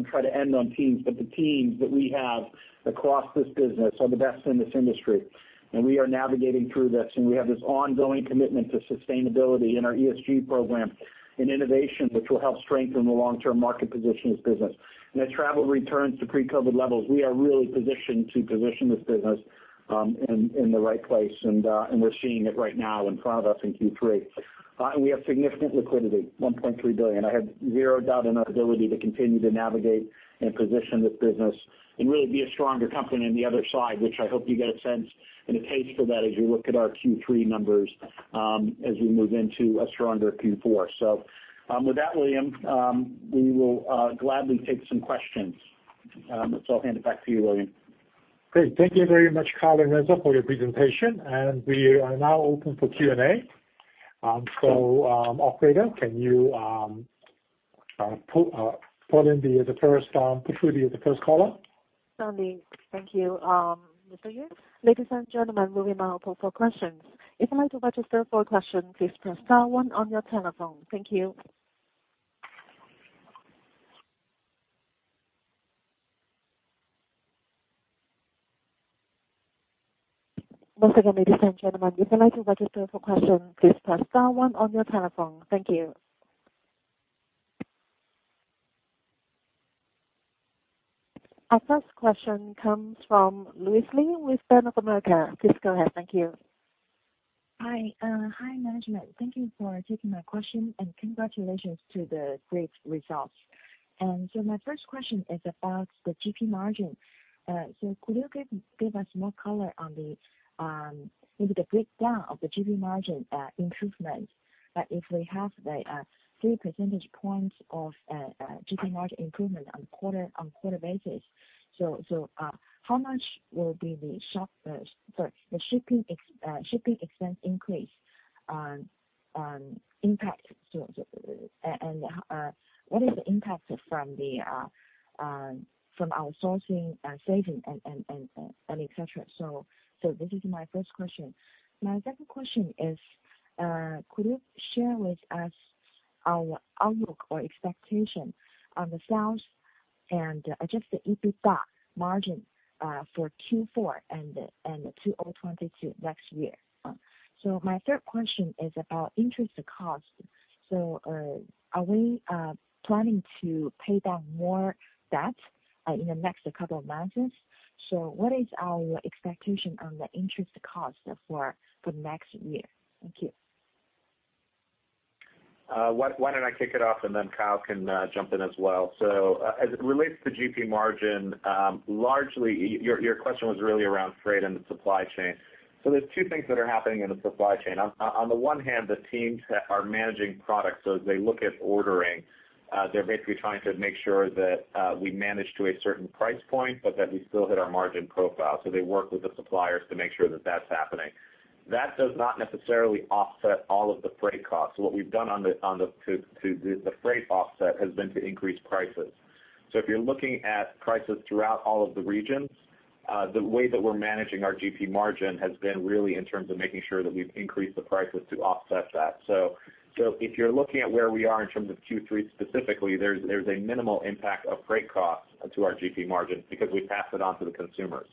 try to end on teams, but the teams that we have across this business are the best in this industry. We are navigating through this, and we have this ongoing commitment to sustainability in our ESG program and innovation, which will help strengthen the long-term market position of this business. As travel returns to pre-COVID levels, we are really positioned to position this business in the right place. We're seeing it right now in front of us in Q3. We have significant liquidity, $1.3 billion. I have zero doubt in our ability to continue to navigate and position this business and really be a stronger company on the other side, which I hope you get a sense and a taste for that as you look at our Q3 numbers, as we move into a stronger Q4. With that, William, we will gladly take some questions. I'll hand it back to you, William. Great. Thank you very much, Kyle and Reza, for your presentation. We are now open for Q&A. Operator, can you put through the first caller? Certainly. Thank you. Mr. Yue. Ladies and gentlemen, we're moving now for questions. If you'd like to register for a question, please press star one on your telephone. Thank you. Once again, ladies and gentlemen, if you'd like to register for a question, please press star one on your telephone. Thank you. Our first question comes from Louise Li with Bank of America. Please go ahead. Thank you. Hi. Hi, management. Thank you for taking my question and congratulations to the great results. My first question is about the GP margin. So could you give us more color on maybe the breakdown of the GP margin improvement? If we have the 3 percentage points of GP margin improvement on quarter-over-quarter basis. So how much will be the shipping expense increase on impact? And what is the impact from our sourcing savings and et cetera? This is my first question. My second question is could you share with us our outlook or expectation on the sales and adjusted EBITDA margin for Q4 and 2022 next year? My third question is about interest cost. Are we planning to pay down more debt in the next couple of months? What is our expectation on the interest cost for next year? Thank you. Why don't I kick it off and then Kyle can jump in as well. As it relates to GP margin, largely your question was really around freight and the supply chain. There's two things that are happening in the supply chain. On the one hand, the teams are managing products as they look at ordering. They're basically trying to make sure that we manage to a certain price point, but that we still hit our margin profile. They work with the suppliers to make sure that that's happening. That does not necessarily offset all of the freight costs. What we've done on the freight offset has been to increase prices. If you're looking at prices throughout all of the regions, the way that we're managing our GP margin has been really in terms of making sure that we've increased the prices to offset that. If you're looking at where we are in terms of Q3 specifically, there is a minimal impact of freight costs to our GP margins because we pass it on to the consumers.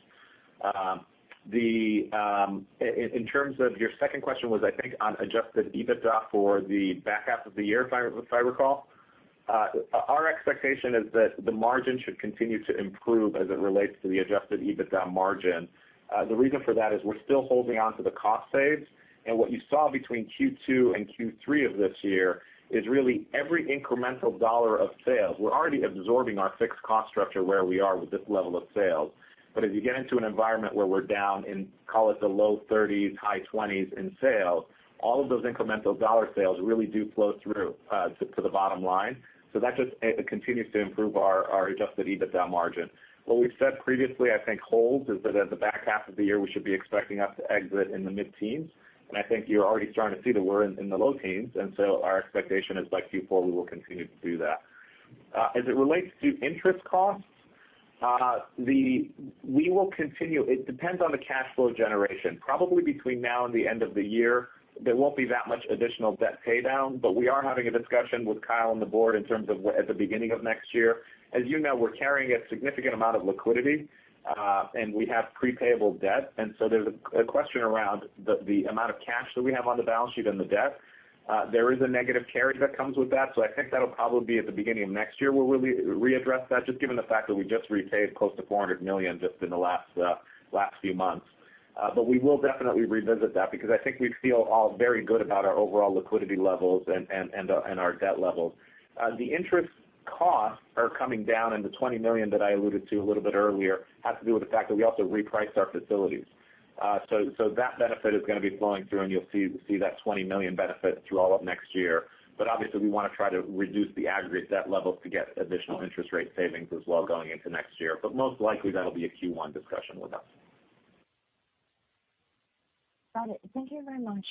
In terms of your second question was, I think, on adjusted EBITDA for the back half of the year, if I recall. Our expectation is that the margin should continue to improve as it relates to the adjusted EBITDA margin. The reason for that is we're still holding on to the cost savings. What you saw between Q2 and Q3 of this year is really every incremental dollar of sales. We're already absorbing our fixed cost structure where we are with this level of sales. As you get into an environment where we're down in, call it the low 30s, high 20s in sales, all of those incremental dollar sales really do flow through to the bottom line. That just continues to improve our adjusted EBITDA margin. What we've said previously, I think holds, is that at the back half of the year, we should be expecting us to exit in the mid-teens%. I think you're already starting to see that we're in the low teens%. Our expectation is by Q4, we will continue to do that. As it relates to interest costs, we will continue. It depends on the cash flow generation. Probably between now and the end of the year, there won't be that much additional debt pay down, but we are having a discussion with Kyle and the board in terms of at the beginning of next year. As you know, we're carrying a significant amount of liquidity. We have pre-payable debt. There's a question around the amount of cash that we have on the balance sheet and the debt. There is a negative carry that comes with that. I think that'll probably be at the beginning of next year where we'll re-address that, just given the fact that we just repaid close to $400 million just in the last few months. We will definitely revisit that because I think we feel all very good about our overall liquidity levels and our debt levels. The interest costs are coming down, and the $20 million that I alluded to a little bit earlier has to do with the fact that we also repriced our facilities. That benefit is gonna be flowing through, and you'll see that $20 million benefit through all of next year. Obviously, we wanna try to reduce the aggregate debt levels to get additional interest rate savings as well going into next year. Most likely that'll be a Q1 discussion with us. Got it. Thank you very much.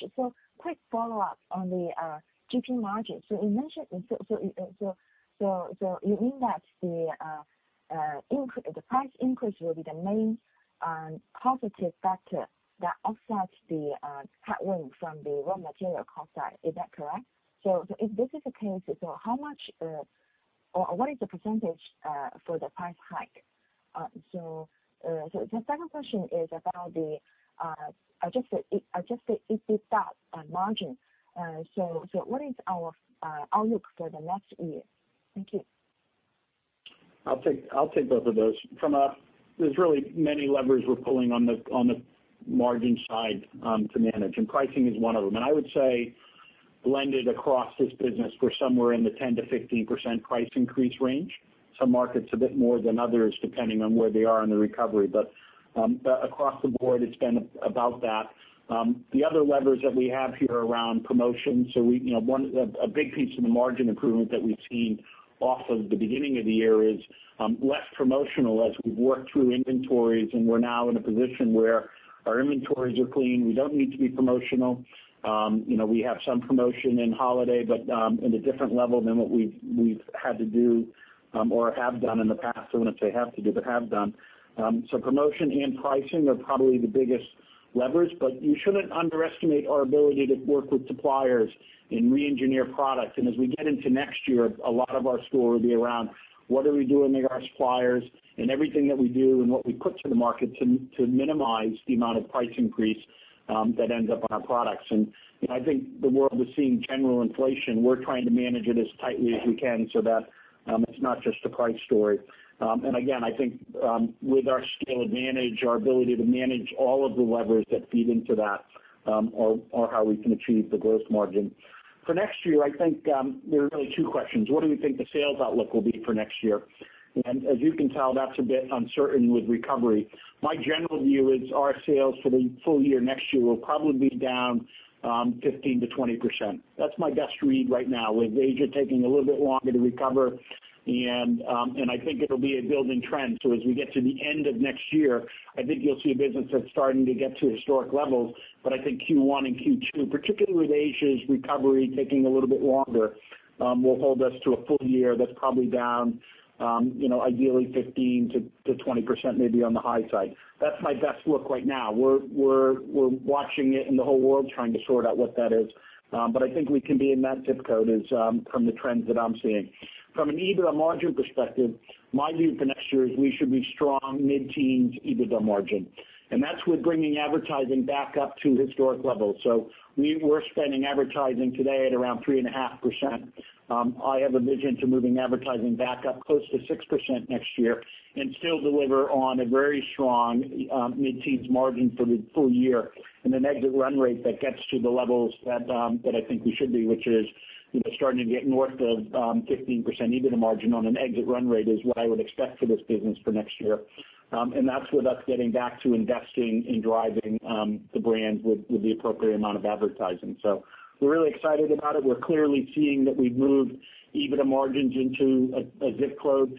Quick follow-up on the GP margin. You mean that the price increase will be the main positive factor that offsets the headwind from the raw material cost side. Is that correct? If this is the case, how much or what is the percentage for the price hike? The second question is about the adjusted EBITDA margin. What is our outlook for the next year? Thank you. I'll take both of those. There's really many levers we're pulling on the margin side to manage, and pricing is one of them. I would say blended across this business, we're somewhere in the 10%-15% price increase range. Some markets a bit more than others, depending on where they are in the recovery. Across the board, it's been about that. The other levers that we have here around promotions. We, you know, a big piece of the margin improvement that we've seen off of the beginning of the year is less promotional as we've worked through inventories, and we're now in a position where our inventories are clean. We don't need to be promotional. You know, we have some promotion in holiday, but in a different level than what we've had to do or have done in the past. I wouldn't say have to do, but have done. Promotion and pricing are probably the biggest levers, but you shouldn't underestimate our ability to work with suppliers and re-engineer products. As we get into next year, a lot of our story will be around what are we doing with our suppliers and everything that we do and what we put to the market to minimize the amount of price increase that ends up on our products. You know, I think the world is seeing general inflation. We're trying to manage it as tightly as we can so that it's not just a price story. I think, with our scale advantage, our ability to manage all of the levers that feed into that, are how we can achieve the gross margin. For next year, I think, there are really two questions. What do we think the sales outlook will be for next year? As you can tell, that's a bit uncertain with recovery. My general view is our sales for the full year next year will probably be down 15%-20%. That's my best read right now with Asia taking a little bit longer to recover. I think it'll be a building trend. As we get to the end of next year, I think you'll see a business that's starting to get to historic levels. I think Q1 and Q2, particularly with Asia's recovery taking a little bit longer, will hold us to a full year that's probably down, you know, ideally 15%-20% maybe on the high side. That's my best look right now. We're watching it in the whole world trying to sort out what that is. I think we can be in that ZIP code as from the trends that I'm seeing. From an EBITDA margin perspective, my view for next year is we should be strong mid-teens EBITDA margin, and that's with bringing advertising back up to historic levels. We're spending advertising today at around 3.5%. I have a vision to moving advertising back up close to 6% next year and still deliver on a very strong, mid-teens margin for the full year and an exit run rate that gets to the levels that I think we should be, which is, you know, starting to get north of, 15% EBITDA margin on an exit run rate is what I would expect for this business for next year. And that's with us getting back to investing in driving, the brands with the appropriate amount of advertising. We're really excited about it. We're clearly seeing that we've moved EBITDA margins into a ZIP code.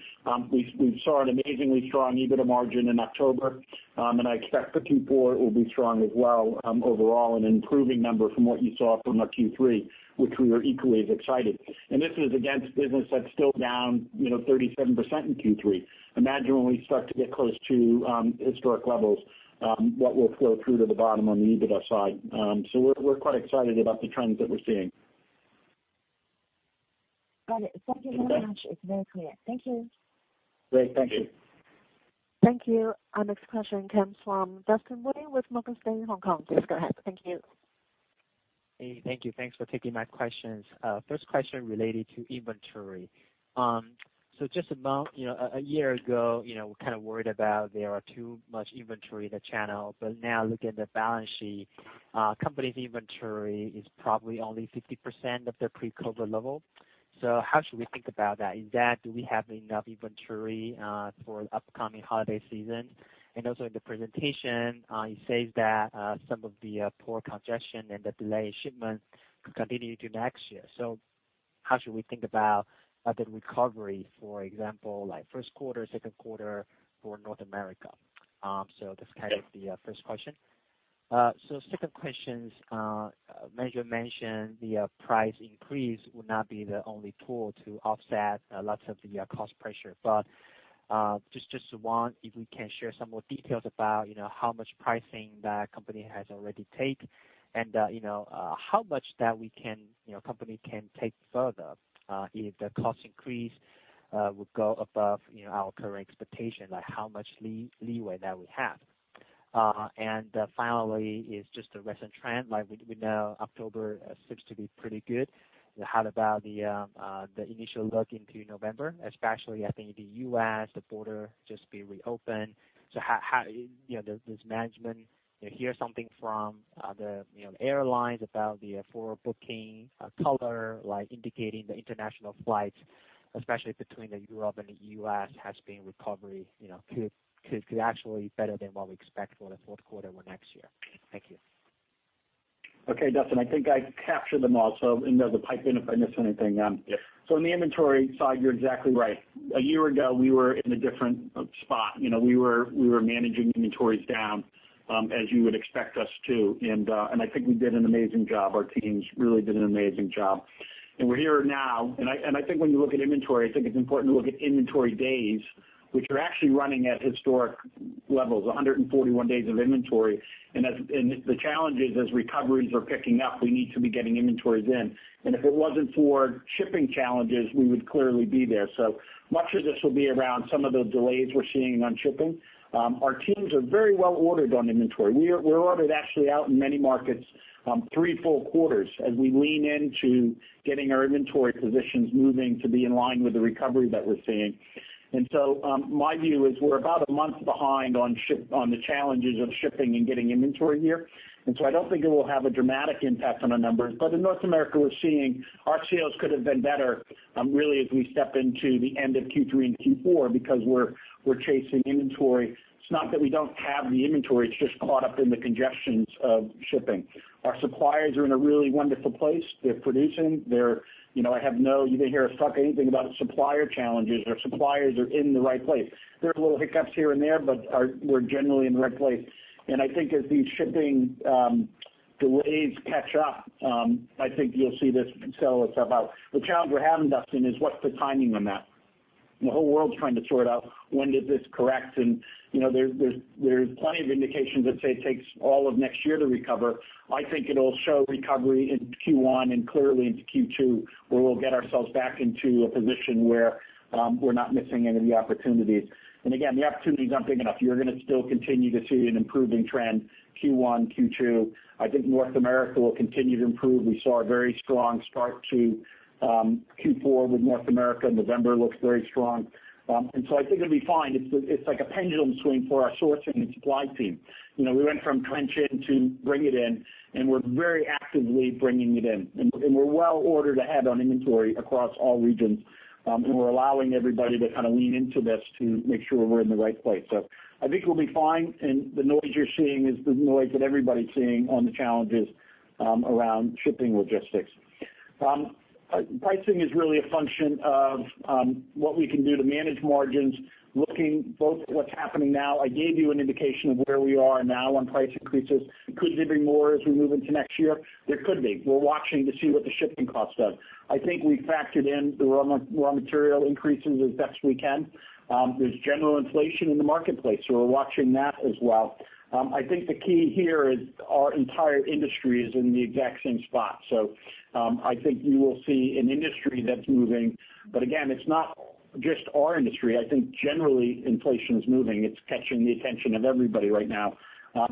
We saw an amazingly strong EBITDA margin in October. I expect the Q4 will be strong as well, overall an improving number from what you saw from our Q3, which we were equally as excited. This is against business that's still down, you know, 37% in Q3. Imagine when we start to get close to historic levels, what will flow through to the bottom on the EBITDA side. We're quite excited about the trends that we're seeing. Got it. Thank you very much. Okay. It's very clear. Thank you. Great. Thank you. Thank you. Our next question comes from Dustin Wei with Morgan Stanley Hong Kong. Please go ahead. Thank you. Hey. Thank you. Thanks for taking my questions. First question related to inventory. So just about, you know, a year ago, you know, we're kind of worried about there are too much inventory in the channel, but now looking at the balance sheet, company's inventory is probably only 50% of their pre-COVID level. So how should we think about that? Is that, do we have enough inventory for upcoming holiday season? And also in the presentation, you say that some of the port congestion and the delayed shipment could continue to next year. So how should we think about the recovery, for example, like first quarter, second quarter for North America? So that's kind of the first question. Second question. Manager mentioned the price increase would not be the only tool to offset lots of the cost pressure. Just one, if we can share some more details about, you know, how much pricing the company has already take and, you know, how much that we can, you know, company can take further, if the cost increase would go above, you know, our current expectation, like how much leeway that we have? Finally is just the recent trend. Like, we know October seems to be pretty good. How about the initial look into November, especially I think the U.S., the border just be reopened. How, you know, does management, you know, hear something from, you know, the airlines about the forward booking color, like indicating the international flights, especially between Europe and the U.S. have seen recovery, you know, could actually better than what we expect for the fourth quarter or next year? Thank you. Okay, Dustin, I think I captured them all. You know, pipe in if I miss anything. Yes. In the inventory side, you're exactly right. A year ago, we were in a different spot. We were managing inventories down, as you would expect us to. I think we did an amazing job. Our teams really did an amazing job. We're here now, I think when you look at inventory, I think it's important to look at inventory days, which are actually running at historic levels, 141 days of inventory. The challenge is, as recoveries are picking up, we need to be getting inventories in. If it wasn't for shipping challenges, we would clearly be there. Much of this will be around some of the delays we're seeing on shipping. Our teams are very well ordered on inventory. We're ordered actually out in many markets three full quarters as we lean into getting our inventory positions moving to be in line with the recovery that we're seeing. My view is we're about a month behind on the challenges of shipping and getting inventory here. I don't think it will have a dramatic impact on our numbers. In North America, we're seeing our sales could have been better, really, as we step into the end of Q3 and Q4 because we're chasing inventory. It's not that we don't have the inventory, it's just caught up in the congestion of shipping. Our suppliers are in a really wonderful place. They're producing, you know, you didn't hear fucking anything about supplier challenges. Our suppliers are in the right place. There are little hiccups here and there, but we're generally in the right place. I think as these shipping delays catch up, I think you'll see this settle itself out. The challenge we're having, Dustin, is what's the timing on that? The whole world's trying to sort out when does this correct and, you know, there's plenty of indications that say it takes all of next year to recover. I think it'll show recovery into Q1 and clearly into Q2, where we'll get ourselves back into a position where we're not missing any of the opportunities. The opportunities aren't big enough. You're gonna still continue to see an improving trend Q1, Q2. I think North America will continue to improve. We saw a very strong start to Q4 with North America. November looks very strong. I think it'll be fine. It's like a pendulum swing for our sourcing and supply team. You know, we went from just-in-time to bring it in, and we're very actively bringing it in. We're well ordered ahead on inventory across all regions, and we're allowing everybody to kind of lean into this to make sure we're in the right place. I think we'll be fine, and the noise you're seeing is the noise that everybody's seeing on the challenges around shipping logistics. Pricing is really a function of what we can do to manage margins, looking both at what's happening now. I gave you an indication of where we are now on price increases. Could there be more as we move into next year? There could be. We're watching to see what the shipping cost does. I think we factored in the raw material increases as best we can. There's general inflation in the marketplace, so we're watching that as well. I think the key here is our entire industry is in the exact same spot. I think you will see an industry that's moving, but again, it's not just our industry. I think generally inflation's moving. It's catching the attention of everybody right now.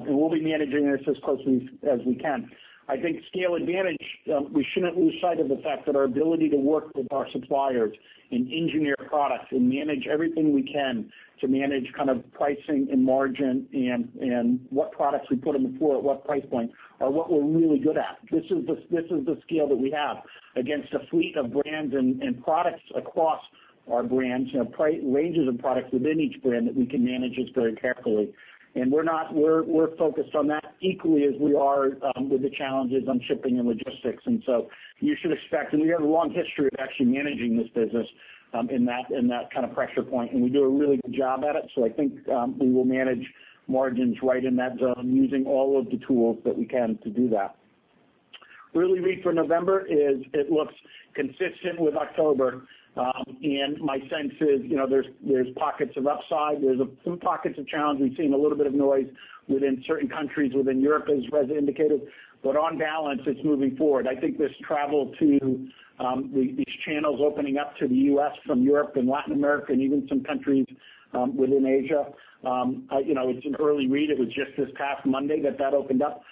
We'll be managing this as closely as we can. I think scale advantage, we shouldn't lose sight of the fact that our ability to work with our suppliers and engineer products and manage everything we can to manage kind of pricing and margin and what products we put on the floor at what price point are what we're really good at. This is the scale that we have against a fleet of brands and products across our brands, you know, price ranges of products within each brand that we can manage this very carefully. We're focused on that equally as we are with the challenges on shipping and logistics. You should expect, and we have a long history of actually managing this business in that kind of pressure point. We do a really good job at it. I think we will manage margins right in that zone using all of the tools that we can to do that. Early read for November is it looks consistent with October. My sense is, you know, there's pockets of upside. There's a few pockets of challenge. We've seen a little bit of noise within certain countries within Europe, as Reza indicated. On balance, it's moving forward. I think this travel to these channels opening up to the U.S. from Europe and Latin America and even some countries within Asia, you know, it's an early read. It was just this past Monday that that opened up.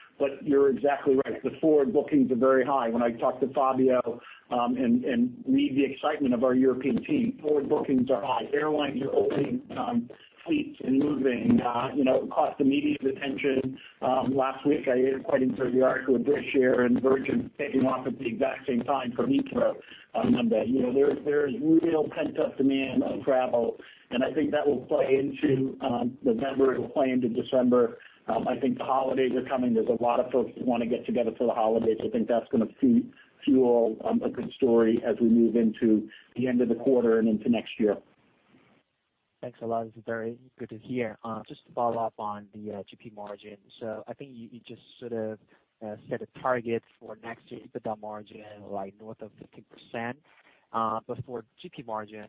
You're exactly right. The forward bookings are very high. When I talk to Fabio and read the excitement of our European team, forward bookings are high. Airlines are opening fleets and moving. You know, it caught the media's attention last week. I read quite an interesting article of British Airways and Virgin Atlantic taking off at the exact same time from Heathrow on Monday. You know, there's real pent-up demand on travel, and I think that will play into November. It will play into December. I think the holidays are coming. There's a lot of folks who wanna get together for the holidays. I think that's gonna fuel a good story as we move into the end of the quarter and into next year. Thanks a lot. It's very good to hear. Just to follow up on the GP margin. I think you just sort of set a target for next year EBITDA margin, like north of 50%. For GP margin,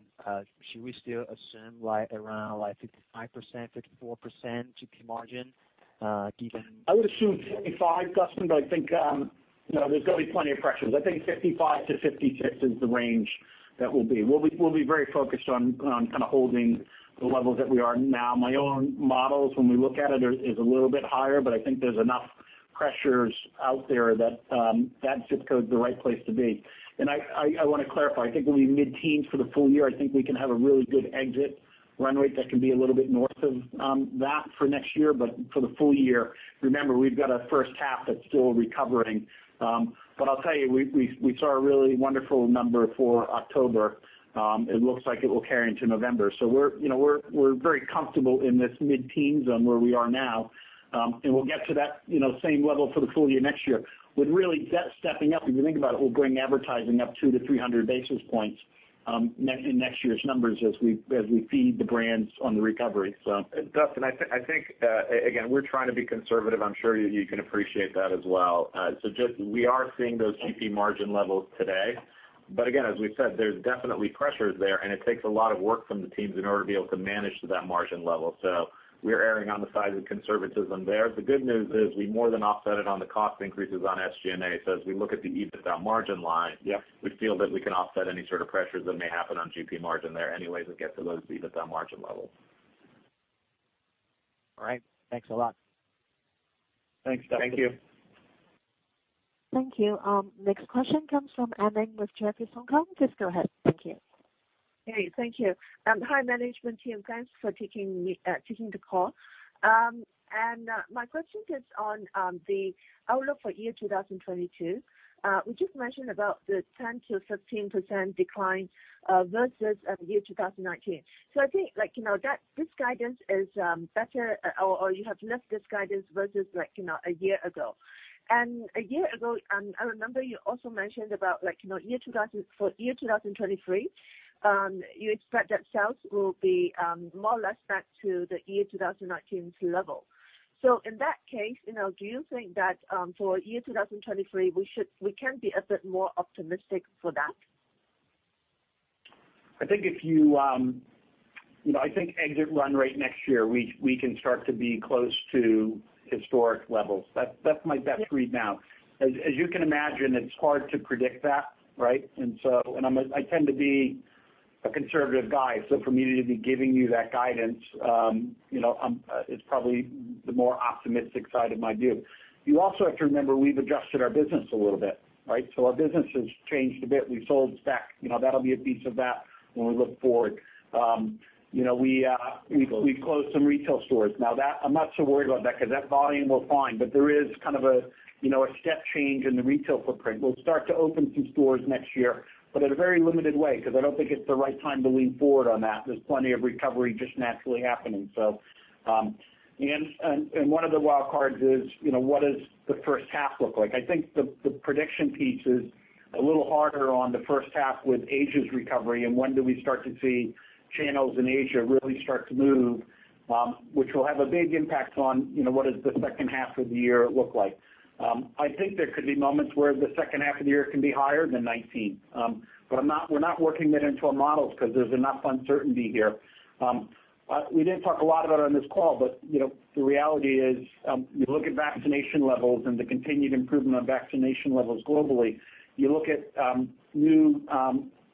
should we still assume like around like 55%, 54% GP margin, given. I would assume 55, Dustin, but I think, you know, there's gonna be plenty of pressures. I think 55%-56% is the range. That will be. We'll be very focused on kind of holding the levels that we are now. My own models, when we look at it, is a little bit higher, but I think there's enough pressures out there that that zip code's the right place to be. I wanna clarify, I think when we mid-teens for the full year, I think we can have a really good exit run rate that can be a little bit north of that for next year. For the full year, remember, we've got a first half that's still recovering. I'll tell you, we saw a really wonderful number for October. It looks like it will carry into November. We're, you know, very comfortable in this mid-teen zone where we are now, and we'll get to that, you know, same level for the full year next year. With really that stepping up, if you think about it, we're bringing advertising up 200-300 basis points in next year's numbers as we feed the brands on the recovery. Dustin, I think, again, we're trying to be conservative. I'm sure you can appreciate that as well. Just we are seeing those GP margin levels today. Again, as we've said, there's definitely pressures there, and it takes a lot of work from the teams in order to be able to manage to that margin level. We're erring on the side of conservatism there. The good news is we more than offset it on the cost increases on SG&A. As we look at the EBITDA margin line- Yes. We feel that we can offset any sort of pressures that may happen on GP margin there. Anyways, we'll get to those EBITDA margin levels. All right. Thanks a lot. Thanks, Dustin. Thank you. Thank you. Next question comes from Kai Sheng with JPMorgan Hong Kong. Just go ahead. Thank you. Okay, thank you. Hi, management team. Thanks for taking the call. My question is on the outlook for 2022. We just mentioned about the 10%-13% decline versus 2019. I think like, you know, that this guidance is better or you have left this guidance versus like, you know, a year ago. A year ago, I remember you also mentioned about like, you know, for 2023, you expect that sales will be more or less back to the 2019 level. In that case, you know, do you think that for 2023, we can be a bit more optimistic for that? I think exit run rate next year, we can start to be close to historic levels. That's my best read now. As you can imagine, it's hard to predict that, right? I tend to be a conservative guy, so for me to be giving you that guidance, you know, it's probably the more optimistic side of my view. You also have to remember, we've adjusted our business a little bit, right? Our business has changed a bit. We've sold StackD. You know, that'll be a piece of that when we look forward. We've closed some retail stores. Now, that I'm not so worried about that because that volume, we're fine. There is kind of a, you know, step change in the retail footprint. We'll start to open some stores next year, but in a very limited way, 'cause I don't think it's the right time to lean forward on that. There's plenty of recovery just naturally happening. One of the wild cards is, you know, what does the first half look like? I think the prediction piece is a little harder on the first half with Asia's recovery and when do we start to see channels in Asia really start to move, which will have a big impact on, you know, what does the second half of the year look like. I think there could be moments where the second half of the year can be higher than 2019. But we're not working that into our models because there's enough uncertainty here. We didn't talk a lot about it on this call, but you know, the reality is, you look at vaccination levels and the continued improvement in vaccination levels globally. You look at new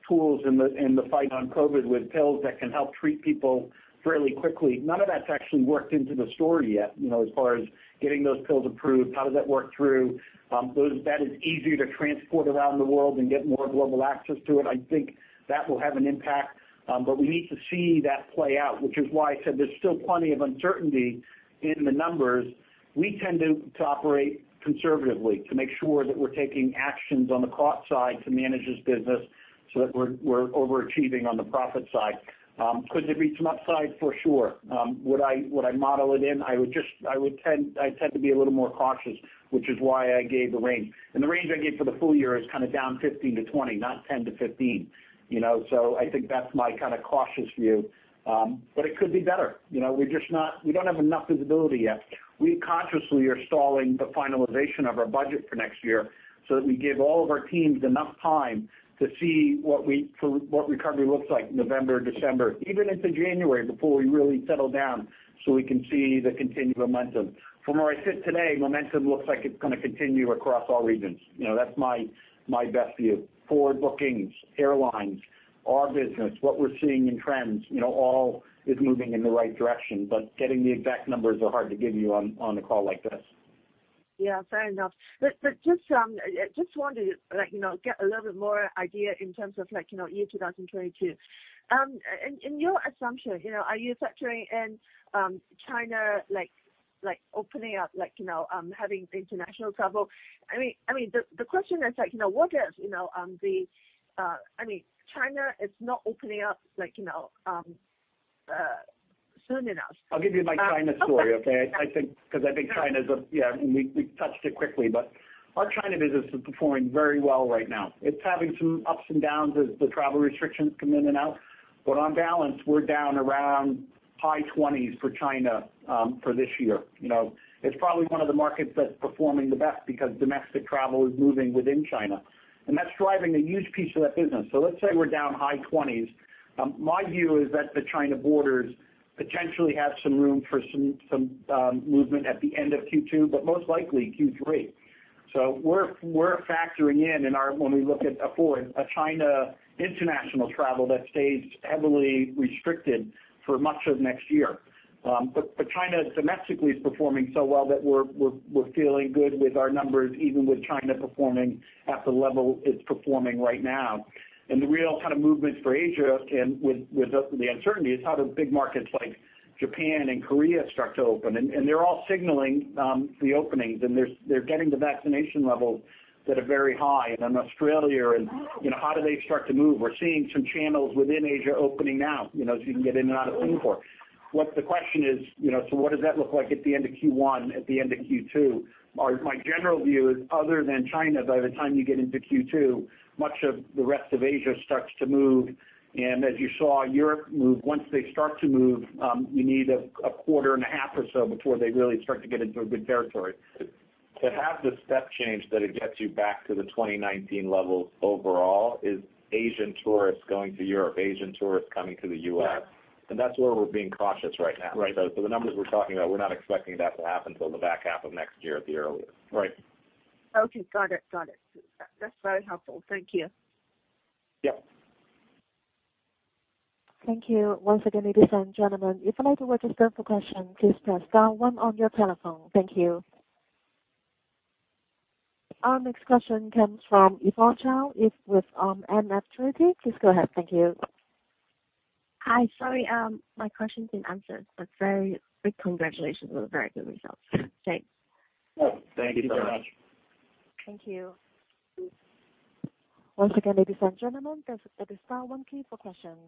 tools in the fight against COVID with pills that can help treat people fairly quickly. None of that's actually worked into the story yet, you know, as far as getting those pills approved, how does that work through. That is easier to transport around the world and get more global access to it. I think that will have an impact, but we need to see that play out, which is why I said there's still plenty of uncertainty in the numbers. We tend to operate conservatively to make sure that we're taking actions on the cost side to manage this business so that we're overachieving on the profit side. Could there be some upside? For sure. Would I model it in? I tend to be a little more cautious, which is why I gave the range. The range I gave for the full year is kinda down 15%-20%, not 10%-15%. You know? I think that's my kinda cautious view. But it could be better. You know? We don't have enough visibility yet. We consciously are stalling the finalization of our budget for next year so that we give all of our teams enough time to see what the recovery looks like November, December, even into January, before we really settle down, so we can see the continued momentum. From where I sit today, momentum looks like it's gonna continue across all regions. You know, that's my best view. Forward bookings, airlines, our business, what we're seeing in trends, you know, all is moving in the right direction, but getting the exact numbers are hard to give you on a call like this. Yeah, fair enough. Just wanted to, like, you know, get a little bit more idea in terms of like, you know, year 2022. In your assumption, you know, are you factoring in China like opening up, like, you know, having international travel? I mean, the question is like, you know, what if, you know, I mean, China is not opening up like, you know. I'll give you my China story, okay? I think China's. We touched it quickly. Our China business is performing very well right now. It's having some ups and downs as the travel restrictions come in and out. On balance, we're down around high 20s for China for this year. You know, it's probably one of the markets that's performing the best because domestic travel is moving within China. That's driving a huge piece of that business. Let's say we're down high 20s. My view is that the China borders potentially have some room for some movement at the end of Q2, but most likely Q3. We're factoring in when we look at our forecast for China international travel that stays heavily restricted for much of next year. China domestically is performing so well that we're feeling good with our numbers, even with China performing at the level it's performing right now. The real kind of movement for Asia with the uncertainty is how the big markets like Japan and Korea start to open. They're all signaling the openings, and they're getting the vaccination levels that are very high. Then Australia and, you know, how do they start to move? We're seeing some channels within Asia opening now, you know, so you can get in and out of Singapore. What the question is, you know, so what does that look like at the end of Q1, at the end of Q2? My general view is other than China, by the time you get into Q2, much of the rest of Asia starts to move. As you saw Europe move, once they start to move, you need a quarter and a half or so before they really start to get into a good territory. To have the step change that it gets you back to the 2019 levels overall is Asian tourists going to Europe, Asian tourists coming to the U.S. Yeah. That's where we're being cautious right now. Right. The numbers we're talking about, we're not expecting that to happen till the back half of next year at the earliest. Right. Okay. Got it. That's very helpful. Thank you. Yep. Thank you. Once again, ladies and gentlemen, if you'd like to register to ask a question, please press star one on your telephone. Thank you. Our next question comes from Yifang Zhao, who is with NF Trinity. Please go ahead. Thank you. Hi. Sorry, my question's been answered, but very big congratulations on the very good results. Thanks. Oh, thank you so much. Thank you very much. Thank you. Once again, ladies and gentlemen, press the star one key for questions.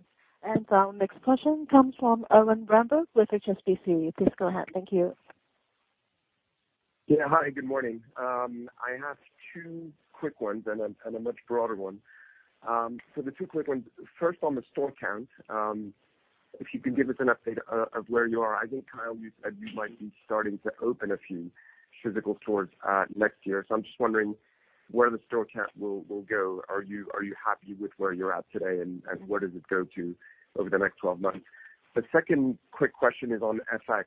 Our next question comes from Erwan Rambourg with HSBC. Please go ahead. Thank you. Yeah. Hi, good morning. I have two quick ones and a much broader one. The two quick ones. First, on the store count, if you could give us an update of where you are. I think, Kyle, you said you might be starting to open a few physical stores next year. I'm just wondering where the store count will go. Are you happy with where you're at today, and where does it go to over the next 12 months? The second quick question is on FX.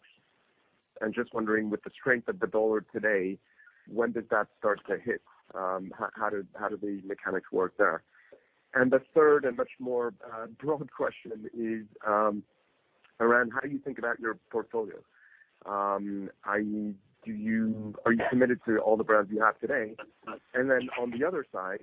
I'm just wondering, with the strength of the dollar today, when does that start to hit? How do the mechanics work there? The third and much more broad question is around how do you think about your portfolio? Are you committed to all the brands you have today? On the other side,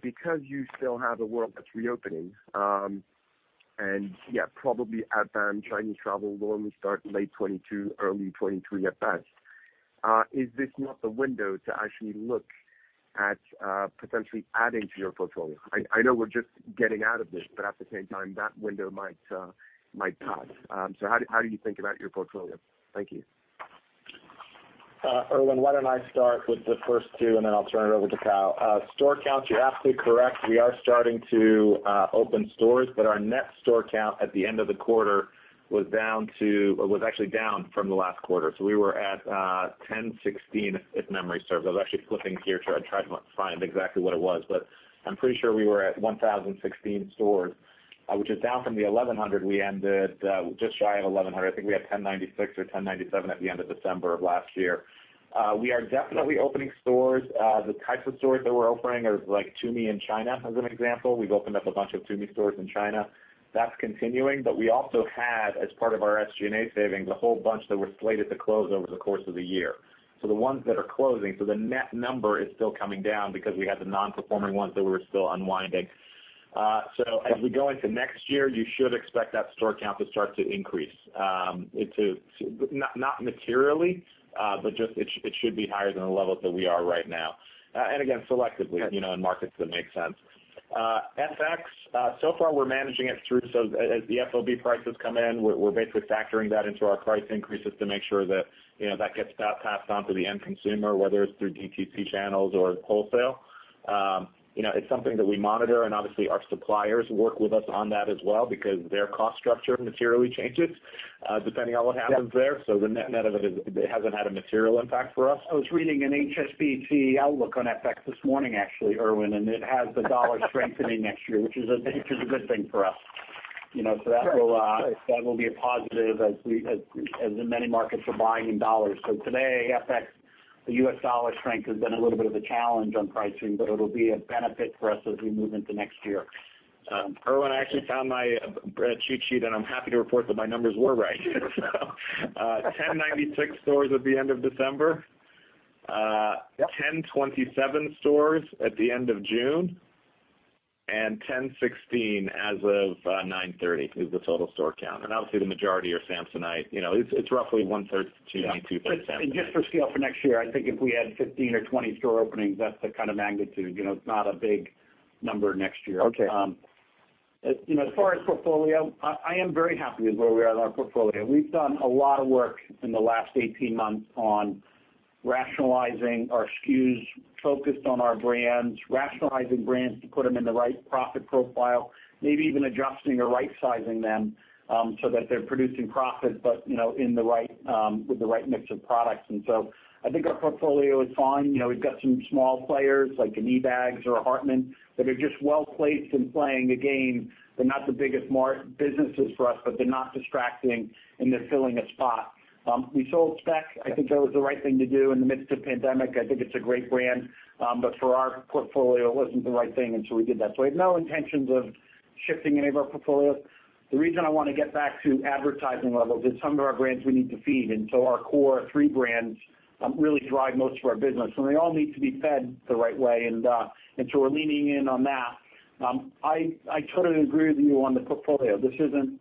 because you still have a world that's reopening, and yeah, probably outbound Chinese travel will only start late 2022, early 2023 at best. Is this not the window to actually look at potentially adding to your portfolio? I know we're just getting out of this, but at the same time, that window might pass. How do you think about your portfolio? Thank you. Erwin, why don't I start with the first two, and then I'll turn it over to Kyle. Store counts, you're absolutely correct. We are starting to open stores, but our net store count at the end of the quarter was down. It was actually down from the last quarter. So we were at 1,016, if memory serves. I was actually flipping here to try to find exactly what it was, but I'm pretty sure we were at 1,016 stores, which is down from the 1,100 we ended, just shy of 1,100. I think we had 1,096 or 1,097 at the end of December of last year. We are definitely opening stores. The types of stores that we're opening are like TUMI in China as an example. We've opened up a bunch of TUMI stores in China. That's continuing. We also had, as part of our SG&A savings, a whole bunch that were slated to close over the course of the year. The ones that are closing, the net number is still coming down because we had the non-performing ones that we were still unwinding. As we go into next year, you should expect that store count to start to increase. It's not materially, but just it should be higher than the levels that we are right now. Again, selectively. Yeah. You know, in markets that make sense. FX, so far we're managing it through. As the FOB prices come in, we're basically factoring that into our price increases to make sure that, you know, that gets passed on to the end consumer, whether it's through DTC channels or wholesale. You know, it's something that we monitor, and obviously, our suppliers work with us on that as well because their cost structure materially changes, depending on what happens there. Yeah. The net-net of it is it hasn't had a material impact for us. I was reading an HSBC outlook on FX this morning actually, Erwan, and it has the dollar strengthening next year, which is a good thing for us. You know, so that will, Sure. That will be a positive as in many markets are buying in dollars. Today, FX, the U.S. dollar strength has been a little bit of a challenge on pricing, but it'll be a benefit for us as we move into next year. Erwan, I actually found my cheat sheet, and I'm happy to report that my numbers were right. 1,096 stores at the end of December. Yep. 1,027 stores at the end of June, and 1,016 as of 9/30 is the total store count. Obviously, the majority are Samsonite. You know, it's roughly one-third TUMI, two-thirds Samsonite. Just for scale for next year, I think if we had 15 or 20 store openings, that's the kind of magnitude. You know, it's not a big number next year. Okay. You know, as far as portfolio, I am very happy with where we are in our portfolio. We've done a lot of work in the last 18 months on rationalizing our SKUs, focused on our brands, rationalizing brands to put them in the right profit profile, maybe even adjusting or rightsizing them so that they're producing profit, but you know with the right mix of products. I think our portfolio is fine. You know, we've got some small players like an eBags or a Hartmann that are just well-placed in playing the game. They're not the biggest margin businesses for us, but they're not distracting, and they're filling a spot. We sold Speck. I think that was the right thing to do in the midst of the pandemic. I think it's a great brand. For our portfolio, it wasn't the right thing, and so we did that. We have no intentions of shifting any of our portfolios. The reason I wanna get back to advertising levels is some of our brands we need to feed. Our core three brands really drive most of our business, and they all need to be fed the right way, and so we're leaning in on that. I totally agree with you on the portfolio. This isn't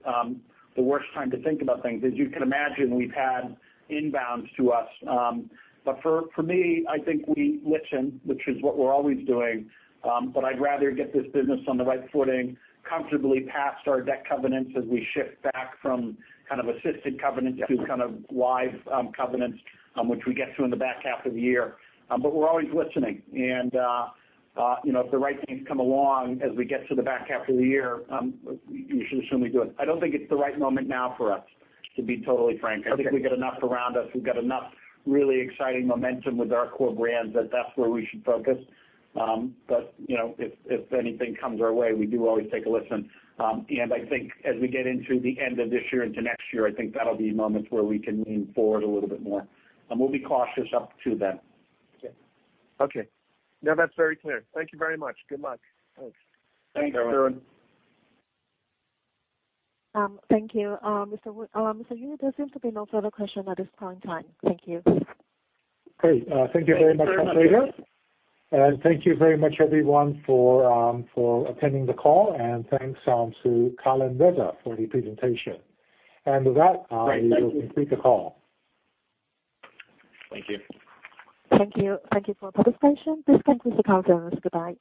the worst time to think about things. As you can imagine, we've had inbounds to us. For me, I think we listen, which is what we're always doing. I'd rather get this business on the right footing, comfortably past our debt covenants as we shift back from kind of assisted covenants to kind of live covenants, which we get to in the back half of the year. We're always listening and, you know, if the right things come along as we get to the back half of the year, you should assume we do it. I don't think it's the right moment now for us to be totally frank. Okay. I think we've got enough around us. We've got enough really exciting momentum with our core brands that that's where we should focus. You know, if anything comes our way, we do always take a listen. I think as we get into the end of this year into next year, I think that'll be moments where we can lean forward a little bit more. We'll be cautious up to then. Okay. No, that's very clear. Thank you very much. Good luck. Thanks. Thanks, Erwan. Thank you. Mr. Yue, there seems to be no further question at this point in time. Thank you. Great. Thank you very much, operator. Thank you very much. Thank you very much, everyone, for attending the call, and thanks to Kyle Gendreau and Reza Taleghani for the presentation. With that, Great. Thank you. We will complete the call. Thank you. Thank you. Thank you for participation. This concludes the conference. Goodbye.